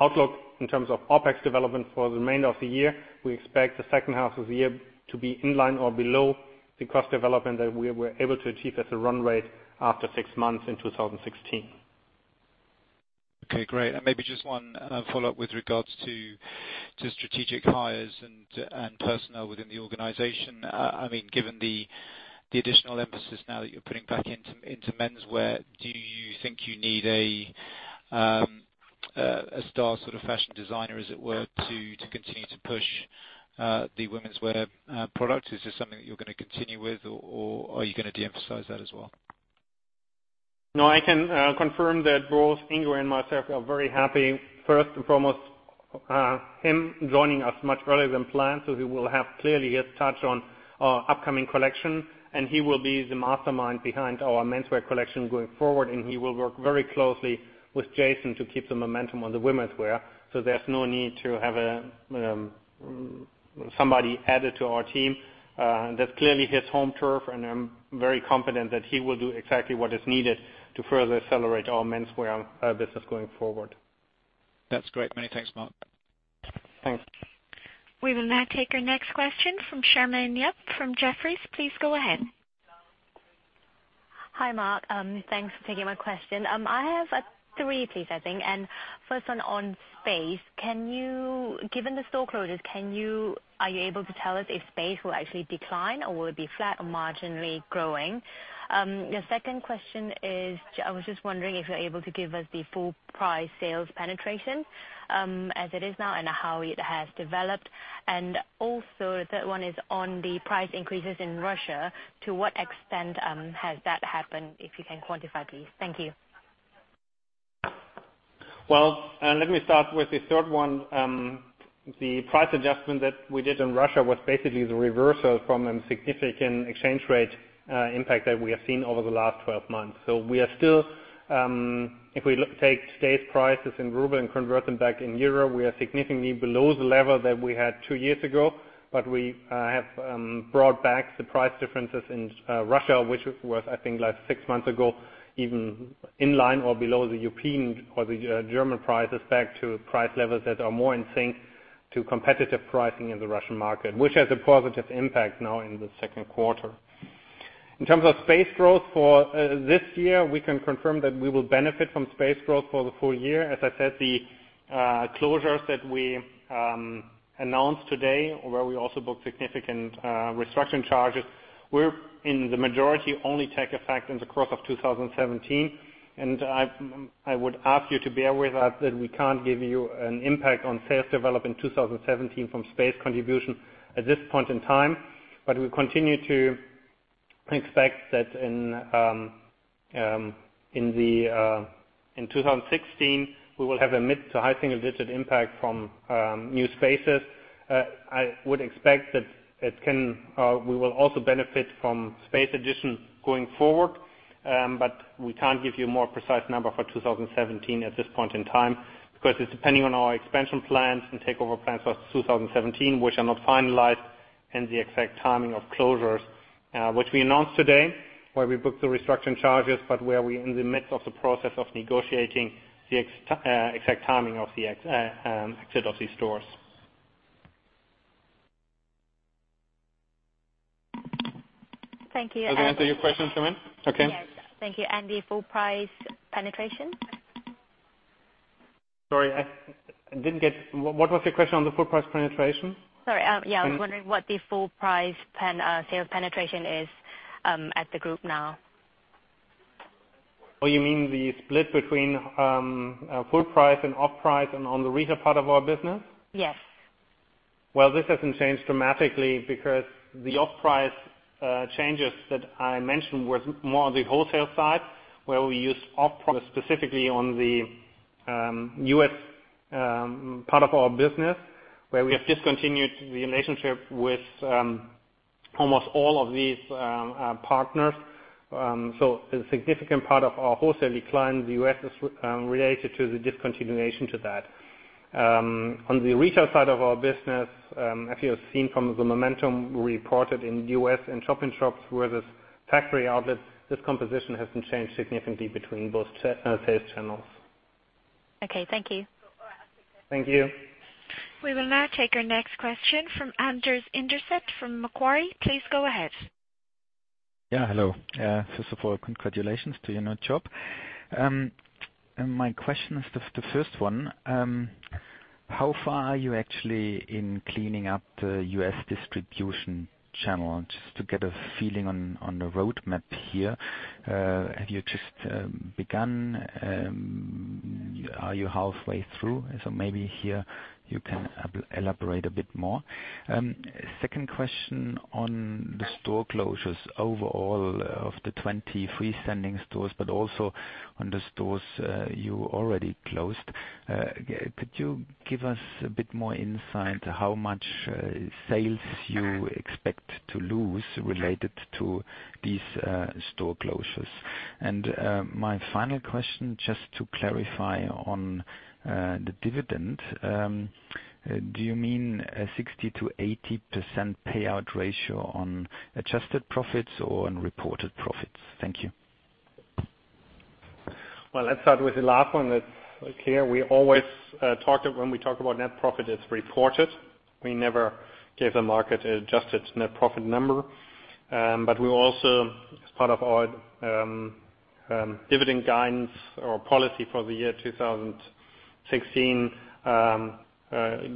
Speaker 2: outlook in terms of OpEx development for the remainder of the year, we expect the second half of the year to be in line or below the cost development that we were able to achieve at the run rate after six months in 2016.
Speaker 7: Okay, great. Maybe just one follow-up with regards to strategic hires and personnel within the organization. Given the additional emphasis now that you're putting back into menswear, do you think you need a star fashion designer, as it were, to continue to push the womenswear product? Is this something that you're going to continue with, or are you going to de-emphasize that as well?
Speaker 2: No, I can confirm that both Ingo and myself are very happy. First and foremost, him joining us much earlier than planned, he will have clearly his touch on our upcoming collection, he will be the mastermind behind our menswear collection going forward, he will work very closely with Jason to keep the momentum on the womenswear. There's no need to have somebody added to our team. That's clearly his home turf, I'm very confident that he will do exactly what is needed to further accelerate our menswear business going forward.
Speaker 7: That's great. Many thanks, Mark.
Speaker 2: Thanks.
Speaker 1: We will now take our next question from Charmaine Yap from Jefferies. Please go ahead.
Speaker 8: Hi, Mark. Thanks for taking my question. I have three, please, I think. First one on space. Given the store closures, are you able to tell us if space will actually decline, or will it be flat or marginally growing? The second question is, I was just wondering if you're able to give us the full price sales penetration as it is now and how it has developed. Also, the third one is on the price increases in Russia. To what extent has that happened, if you can quantify, please. Thank you.
Speaker 2: Let me start with the third one. The price adjustment that we did in Russia was basically the reversal from a significant exchange rate impact that we have seen over the last 12 months. We are still, if we take today's prices in ruble and convert them back in euro, we are significantly below the level that we had two years ago. We have brought back the price differences in Russia, which was, I think, six months ago, even in line or below the European or the German prices back to price levels that are more in sync to competitive pricing in the Russian market. Which has a positive impact now in the second quarter. In terms of space growth for this year, we can confirm that we will benefit from space growth for the full year. As I said, the closures that we announced today, where we also booked significant restructuring charges, in the majority only take effect in the course of 2017. I would ask you to bear with us that we can't give you an impact on sales development 2017 from space contribution at this point in time. We continue to expect that in 2016, we will have a mid to high single-digit impact from new spaces. I would expect that we will also benefit from space addition going forward. We can't give you a more precise number for 2017 at this point in time, because it's depending on our expansion plans and takeover plans for 2017, which are not finalized, and the exact timing of closures which we announced today, where we booked the restructuring charges, where we are in the midst of the process of negotiating the exact timing of the exit of these stores.
Speaker 8: Thank you.
Speaker 2: Does that answer your question, Charmaine? Okay.
Speaker 8: Yes. Thank you. The full price penetration?
Speaker 2: Sorry, I didn't get what was your question on the full price penetration?
Speaker 8: Sorry. I was wondering what the full price sales penetration is at the group now.
Speaker 2: Oh, you mean the split between full price and off price and on the retail part of our business?
Speaker 8: Yes.
Speaker 2: Well, this hasn't changed dramatically because the off price changes that I mentioned were more on the wholesale side, where we used off price specifically on the U.S. part of our business, where we have discontinued the relationship with Almost all of these are partners. So a significant part of our wholesale decline in the U.S. is related to the discontinuation to that. On the retail side of our business, if you have seen from the momentum we reported in the U.S. in shop-in-shops where there's factory outlets, this composition hasn't changed significantly between both sales channels.
Speaker 8: Okay, thank you.
Speaker 2: Thank you.
Speaker 1: We will now take our next question from Andreas Inderst from Macquarie. Please go ahead.
Speaker 9: Yeah, hello. First of all, congratulations to your new job. My question is, the first one, how far are you actually in cleaning up the U.S. distribution channel? Just to get a feeling on the roadmap here. Have you just begun? Are you halfway through? Maybe here you can elaborate a bit more. Second question on the store closures. Overall of the 20 freestanding stores, but also on the stores you already closed, could you give us a bit more insight how much sales you expect to lose related to these store closures? My final question, just to clarify on the dividend. Do you mean a 60%-80% payout ratio on adjusted profits or on reported profits? Thank you.
Speaker 2: Well, let's start with the last one. Here, when we talk about net profit, it's reported. We never give the market adjusted net profit number. But we also, as part of our dividend guidance or policy for the year 2016,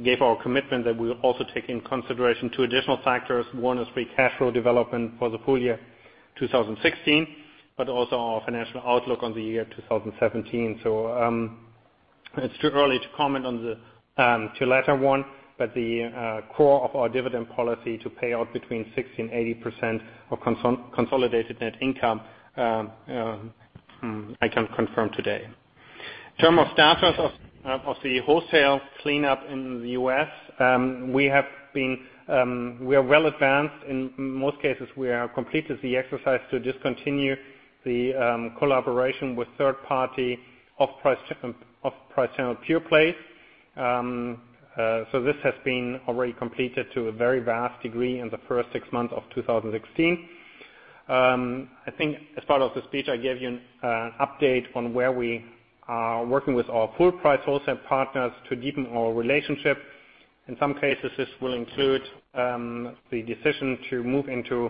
Speaker 2: gave our commitment that we will also take in consideration two additional factors. One is free cash flow development for the full year 2016, but also our financial outlook on the year 2017. It's too early to comment on the latter one, but the core of our dividend policy to pay out between 60% and 80% of consolidated net income, I can confirm today. In term of status of the wholesale cleanup in the U.S., we are well advanced. In most cases, we have completed the exercise to discontinue the collaboration with third-party off-price channel pure plays. This has been already completed to a very vast degree in the first six months of 2016. I think as part of the speech, I gave you an update on where we are working with our full-price wholesale partners to deepen our relationship. In some cases, this will include the decision to move into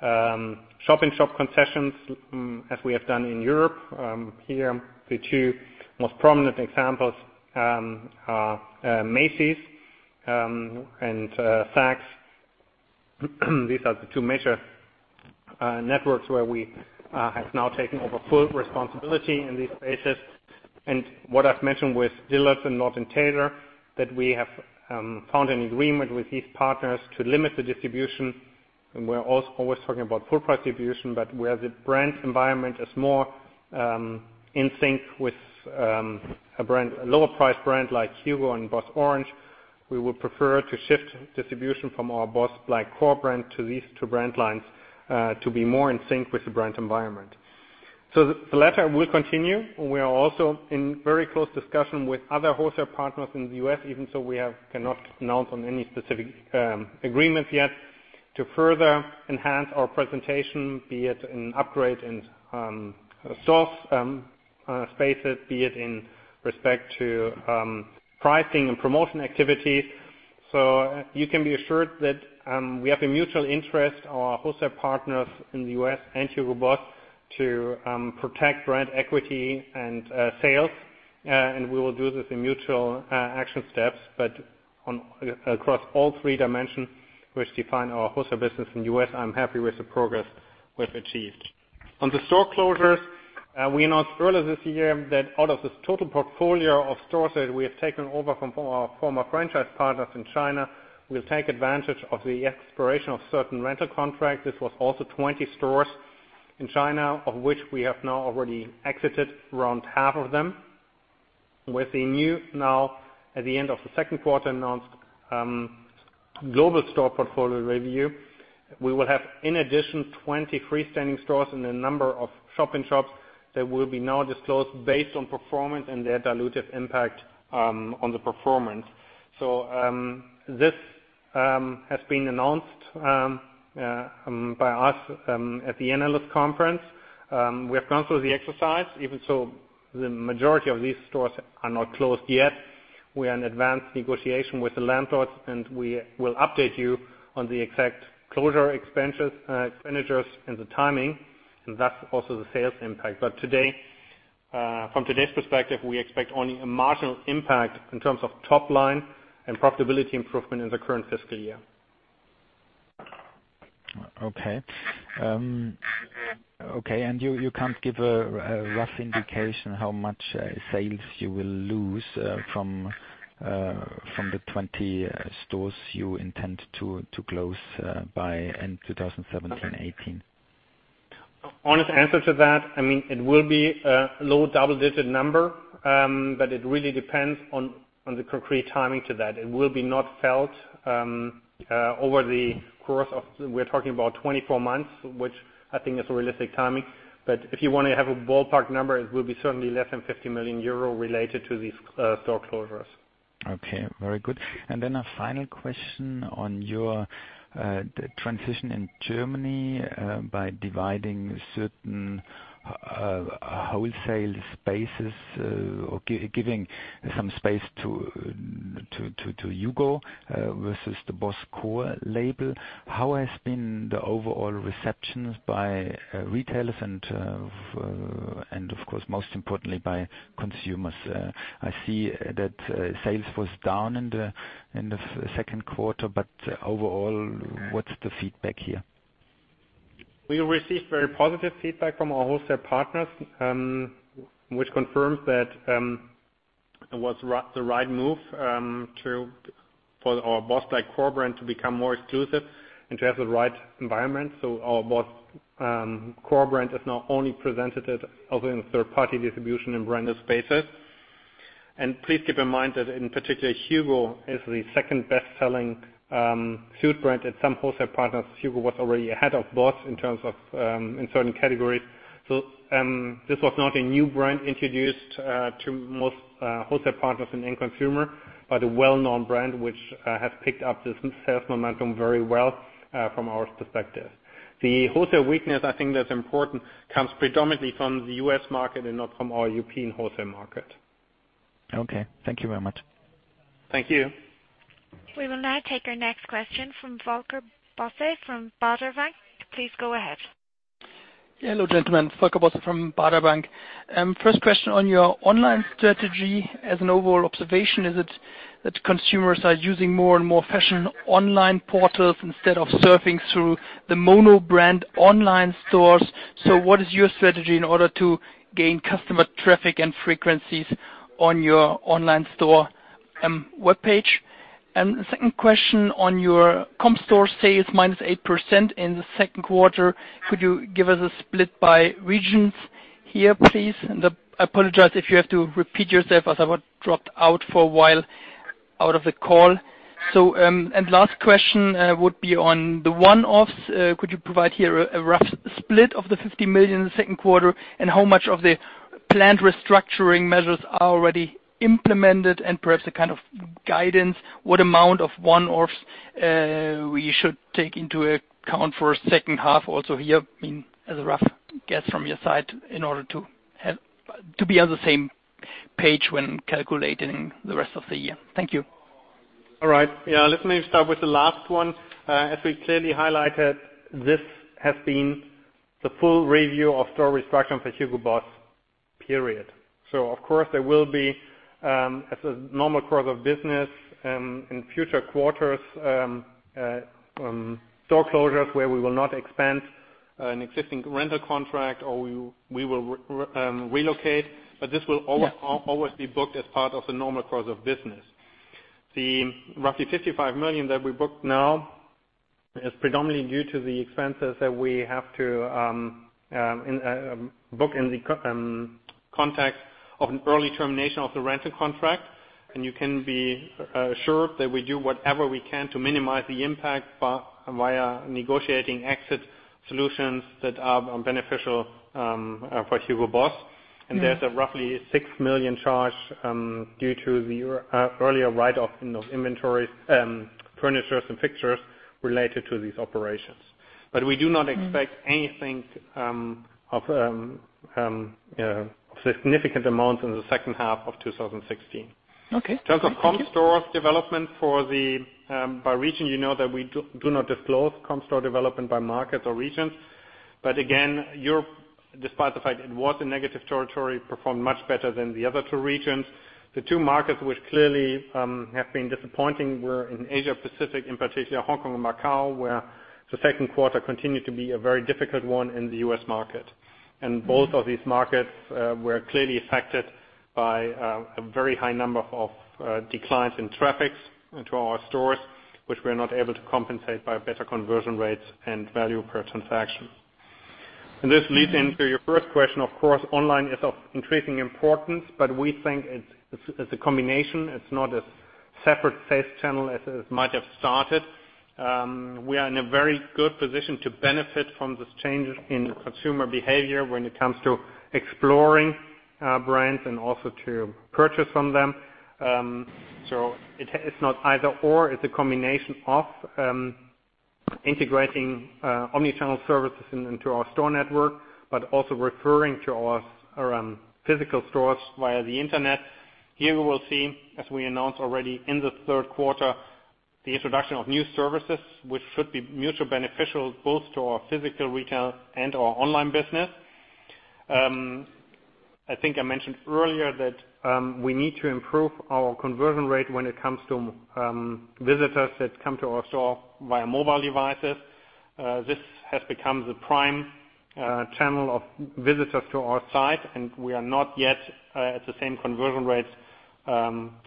Speaker 2: shop-in-shop concessions, as we have done in Europe. Here, the two most prominent examples are Macy's and Saks. These are the two major networks where we have now taken over full responsibility in these spaces. And what I've mentioned with Dillard's and Lord & Taylor, that we have found an agreement with these partners to limit the distribution. We're always talking about full distribution, but where the brand environment is more in sync with a lower priced brand like HUGO and BOSS Orange, we would prefer to shift distribution from our BOSS Black core brand to these two brand lines, to be more in sync with the brand environment. The latter will continue. We are also in very close discussion with other wholesale partners in the U.S., even though we cannot announce on any specific agreements yet to further enhance our presentation, be it in upgrade in stock spaces, be it in respect to pricing and promotion activity. So you can be assured that we have a mutual interest, our wholesale partners in the U.S. and Hugo Boss, to protect brand equity and sales. We will do this in mutual action steps, but across all three dimensions which define our wholesale business in the U.S., I am happy with the progress we have achieved. On the store closures, we announced earlier this year that out of this total portfolio of stores that we have taken over from our former franchise partners in China, we will take advantage of the expiration of certain rental contracts. This was also 20 stores in China, of which we have now already exited around half of them. With the new now, at the end of the second quarter announced global store portfolio review, we will have, in addition, 20 freestanding stores and a number of shop-in-shops that will be now disclosed based on performance and their dilutive impact on the performance. This has been announced by us at the analyst conference. We have gone through the exercise. Even so, the majority of these stores are not closed yet. We are in advanced negotiation with the landlords, we will update you on the exact closure expenditures and the timing, thus also the sales impact. From today's perspective, we expect only a marginal impact in terms of top line and profitability improvement in the current fiscal year.
Speaker 9: Okay. You cannot give a rough indication how much sales you will lose from the 20 stores you intend to close by end 2017/2018?
Speaker 2: Honest answer to that, it will be a low double-digit number, it really depends on the concrete timing to that. It will be not felt over the course of, we are talking about 24 months, which I think is a realistic timing. If you want to have a ballpark number, it will be certainly less than 50 million euro related to these store closures.
Speaker 9: Okay. Very good. A final question on your transition in Germany, by dividing certain wholesale spaces or giving some space to HUGO, versus the BOSS core label. How has been the overall receptions by retailers and, of course, most importantly, by consumers? I see that sales was down in the second quarter, overall, what's the feedback here?
Speaker 2: We received very positive feedback from our wholesale partners, which confirms that it was the right move for our BOSS core brand to become more exclusive and to have the right environment. Our BOSS core brand is now only presented as of in third-party distribution in branded spaces. Please keep in mind that in particular, HUGO is the second best-selling suit brand at some wholesale partners. HUGO was already ahead of BOSS in certain categories. This was not a new brand introduced to most wholesale partners and end consumer, but a well-known brand which has picked up this sales momentum very well from our perspective. The wholesale weakness, I think that's important, comes predominantly from the U.S. market and not from our European wholesale market.
Speaker 9: Okay. Thank you very much.
Speaker 2: Thank you.
Speaker 1: We will now take our next question from Volker Bosse from Baader Bank. Please go ahead.
Speaker 10: Hello, gentlemen. Volker Bosse from Baader Bank. First question on your online strategy as an overall observation is that consumers are using more and more fashion online portals instead of surfing through the mono brand online stores. What is your strategy in order to gain customer traffic and frequencies on your online store webpage? The second question on your comp store sales, minus 8% in the second quarter. Could you give us a split by regions here, please? I apologize if you have to repeat yourself, as I got dropped out for a while out of the call. Last question would be on the one-offs. Could you provide here a rough split of the 50 million in the second quarter and how much of the planned restructuring measures are already implemented and perhaps a kind of guidance, what amount of one-offs we should take into account for second half also here, as a rough guess from your side in order to be on the same page when calculating the rest of the year. Thank you.
Speaker 2: All right. Let me start with the last one. As we clearly highlighted, this has been the full review of store restructuring for Hugo Boss, period. Of course, there will be, as a normal course of business, in future quarters, store closures where we will not expand an existing rental contract or we will relocate. This will always be booked as part of the normal course of business. The roughly 55 million that we booked now is predominantly due to the expenses that we have to book in the context of an early termination of the rental contract. You can be assured that we do whatever we can to minimize the impact via negotiating exit solutions that are beneficial for Hugo Boss. There's a roughly 6 million charge due to the earlier write-off in those inventories, furnitures, and fixtures related to these operations. We do not expect anything of significant amount in the second half of 2016.
Speaker 10: Okay.
Speaker 2: In terms of comp store development by region, you know that we do not disclose comp store development by markets or regions. Again, Europe, despite the fact it was a negative territory, performed much better than the other two regions. The two markets which clearly have been disappointing were in Asia Pacific, in particular Hong Kong and Macau, where the second quarter continued to be a very difficult one in the U.S. market. Both of these markets were clearly affected by a very high number of declines in traffic into our stores, which we're not able to compensate by better conversion rates and value per transaction. This leads into your first question. Online is of increasing importance, we think it's a combination. It's not a separate sales channel as it might have started. We are in a very good position to benefit from this change in consumer behavior when it comes to exploring brands and also to purchase from them. It's not either/or. It's a combination of integrating omni-channel services into our store network, also referring to our physical stores via the Internet. We will see, as we announced already in the third quarter, the introduction of new services, which should be mutually beneficial both to our physical retail and our online business. I think I mentioned earlier that we need to improve our conversion rate when it comes to visitors that come to our store via mobile devices. This has become the prime channel of visitors to our site, we are not yet at the same conversion rates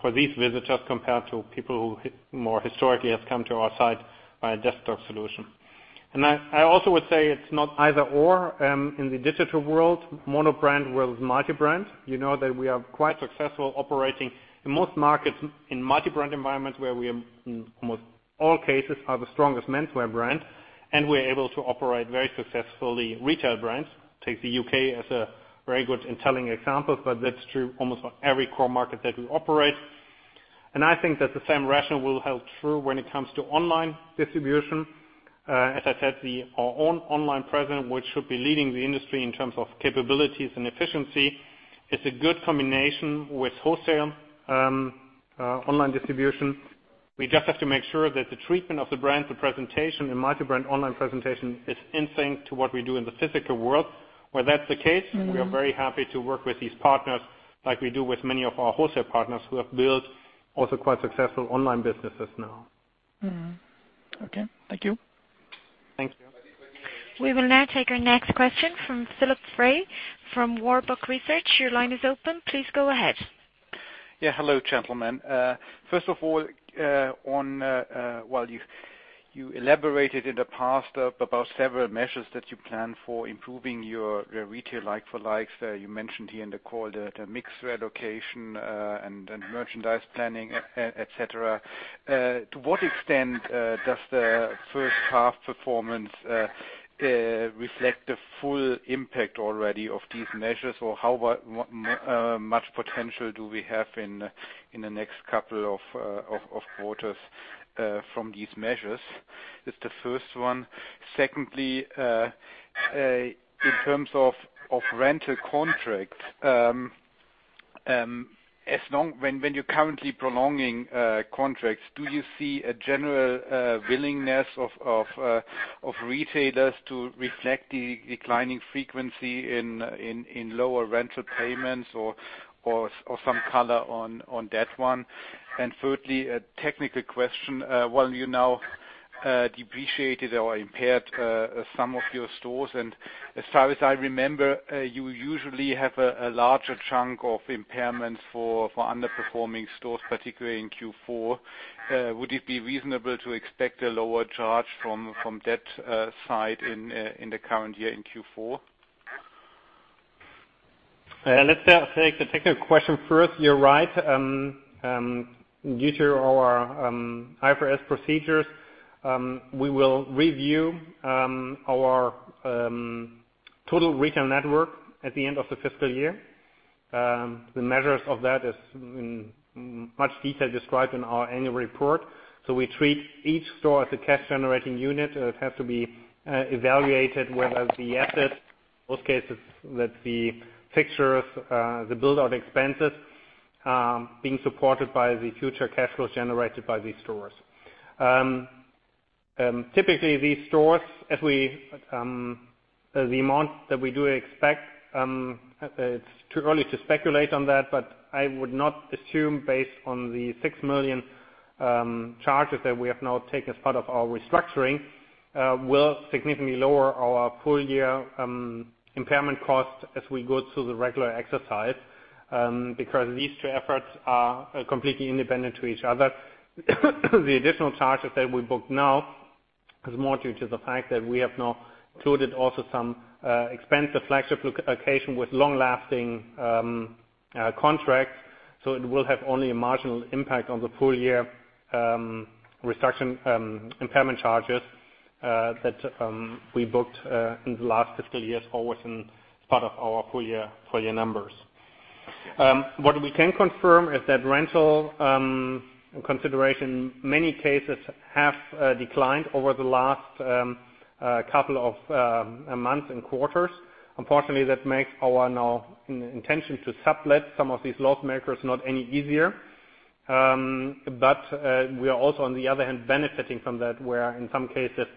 Speaker 2: for these visitors compared to people who more historically have come to our site by a desktop solution. I also would say it's not either/or in the digital world, mono brand versus multi-brand. You know that we are quite successful operating in most markets in multi-brand environments where we, in almost all cases, are the strongest menswear brand, we are able to operate very successfully retail brands. Take the U.K. as a very good and telling example, that's true almost for every core market that we operate. I think that the same rationale will hold true when it comes to online distribution. As I said, our own online presence, which should be leading the industry in terms of capabilities and efficiency, is a good combination with wholesale online distribution. We just have to make sure that the treatment of the brands, the presentation, the multi-brand online presentation, is in sync to what we do in the physical world. Where that's the case, we are very happy to work with these partners like we do with many of our wholesale partners who have built also quite successful online businesses now.
Speaker 10: Okay. Thank you.
Speaker 2: Thank you.
Speaker 1: We will now take our next question from Jörg Philipp Frey from Warburg Research. Your line is open. Please go ahead.
Speaker 11: Hello, gentlemen. First of all, you elaborated in the past about several measures that you plan for improving your retail like-for-likes. You mentioned here in the call the mix relocation, then merchandise planning, et cetera. To what extent does the first half performance reflect the full impact already of these measures? How much potential do we have in the next couple of quarters from these measures? That's the first one. Secondly, in terms of rental contracts, when you're currently prolonging contracts, do you see a general willingness of retailers to reflect the declining frequency in lower rental payments or some color on that one? Thirdly, a technical question. You now depreciated or impaired some of your stores, and as far as I remember, you usually have a larger chunk of impairment for underperforming stores, particularly in Q4. Would it be reasonable to expect a lower charge from that side in the current year in Q4?
Speaker 2: Let's take the technical question first. You're right. Due to our IFRS procedures, we will review our total retail network at the end of the fiscal year. The measures of that is in much detail described in our annual report. We treat each store as a cash-generating unit. It has to be evaluated whether the asset, most cases, that's the fixtures, the build-out expenses, being supported by the future cash flows generated by these stores. Typically, these stores, the amount that we do expect, it's too early to speculate on that, but I would not assume based on the 6 million charges that we have now taken as part of our restructuring, will significantly lower our full-year impairment cost as we go through the regular exercise. These two efforts are completely independent to each other. The additional charges that we book now is more due to the fact that we have now included also some expensive flagship location with long-lasting contracts, it will have only a marginal impact on the full-year impairment charges that we booked in the last fiscal years forward and as part of our full-year numbers. What we can confirm is that rental consideration, in many cases, have declined over the last couple of months and quarters. Unfortunately, that makes our intention to sublet some of these loss-makers not any easier. We are also, on the other hand, benefiting from that where in some cases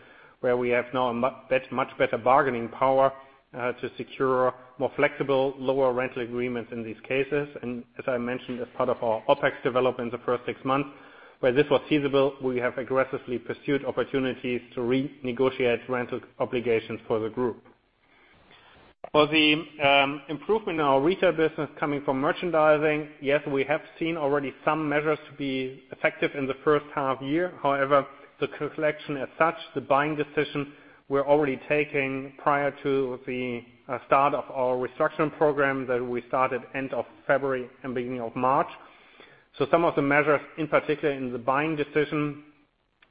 Speaker 2: where we have now much better bargaining power to secure more flexible, lower rental agreements in these cases. As I mentioned, as part of our OpEx development in the first six months, where this was feasible, we have aggressively pursued opportunities to renegotiate rental obligations for the group. For the improvement in our retail business coming from merchandising, yes, we have seen already some measures to be effective in the first half year. However, the collection as such, the buying decisions were already taken prior to the start of our restructuring program that we started end of February and beginning of March. Some of the measures, in particular in the buying decision,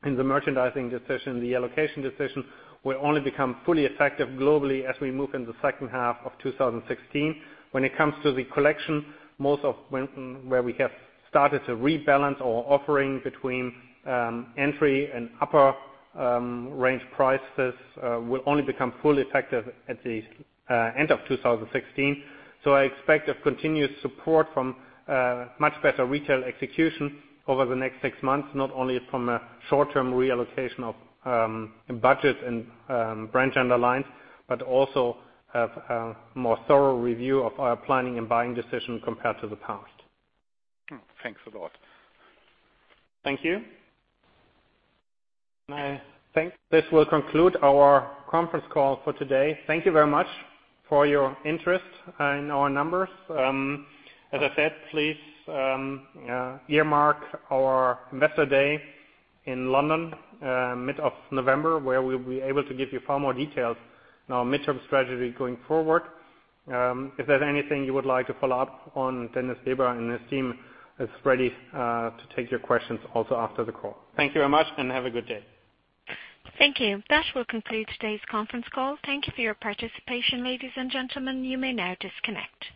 Speaker 2: in the merchandising decision, the allocation decision, will only become fully effective globally as we move into the second half of 2016. When it comes to the collection, most of where we have started to rebalance our offering between entry and upper range prices, will only become fully effective at the end of 2016. I expect a continuous support from much better retail execution over the next six months, not only from a short-term reallocation of budgets and brand lines, but also a more thorough review of our planning and buying decision compared to the past.
Speaker 11: Thanks a lot.
Speaker 2: Thank you. I think this will conclude our conference call for today. Thank you very much for your interest in our numbers. As I said, please earmark our investor day in London, mid of November. We will be able to give you far more details on our midterm strategy going forward. If there's anything you would like to follow up on, Dennis Weber and his team is ready to take your questions also after the call. Thank you very much and have a good day.
Speaker 1: Thank you. That will conclude today's conference call. Thank you for your participation, ladies and gentlemen. You may now disconnect.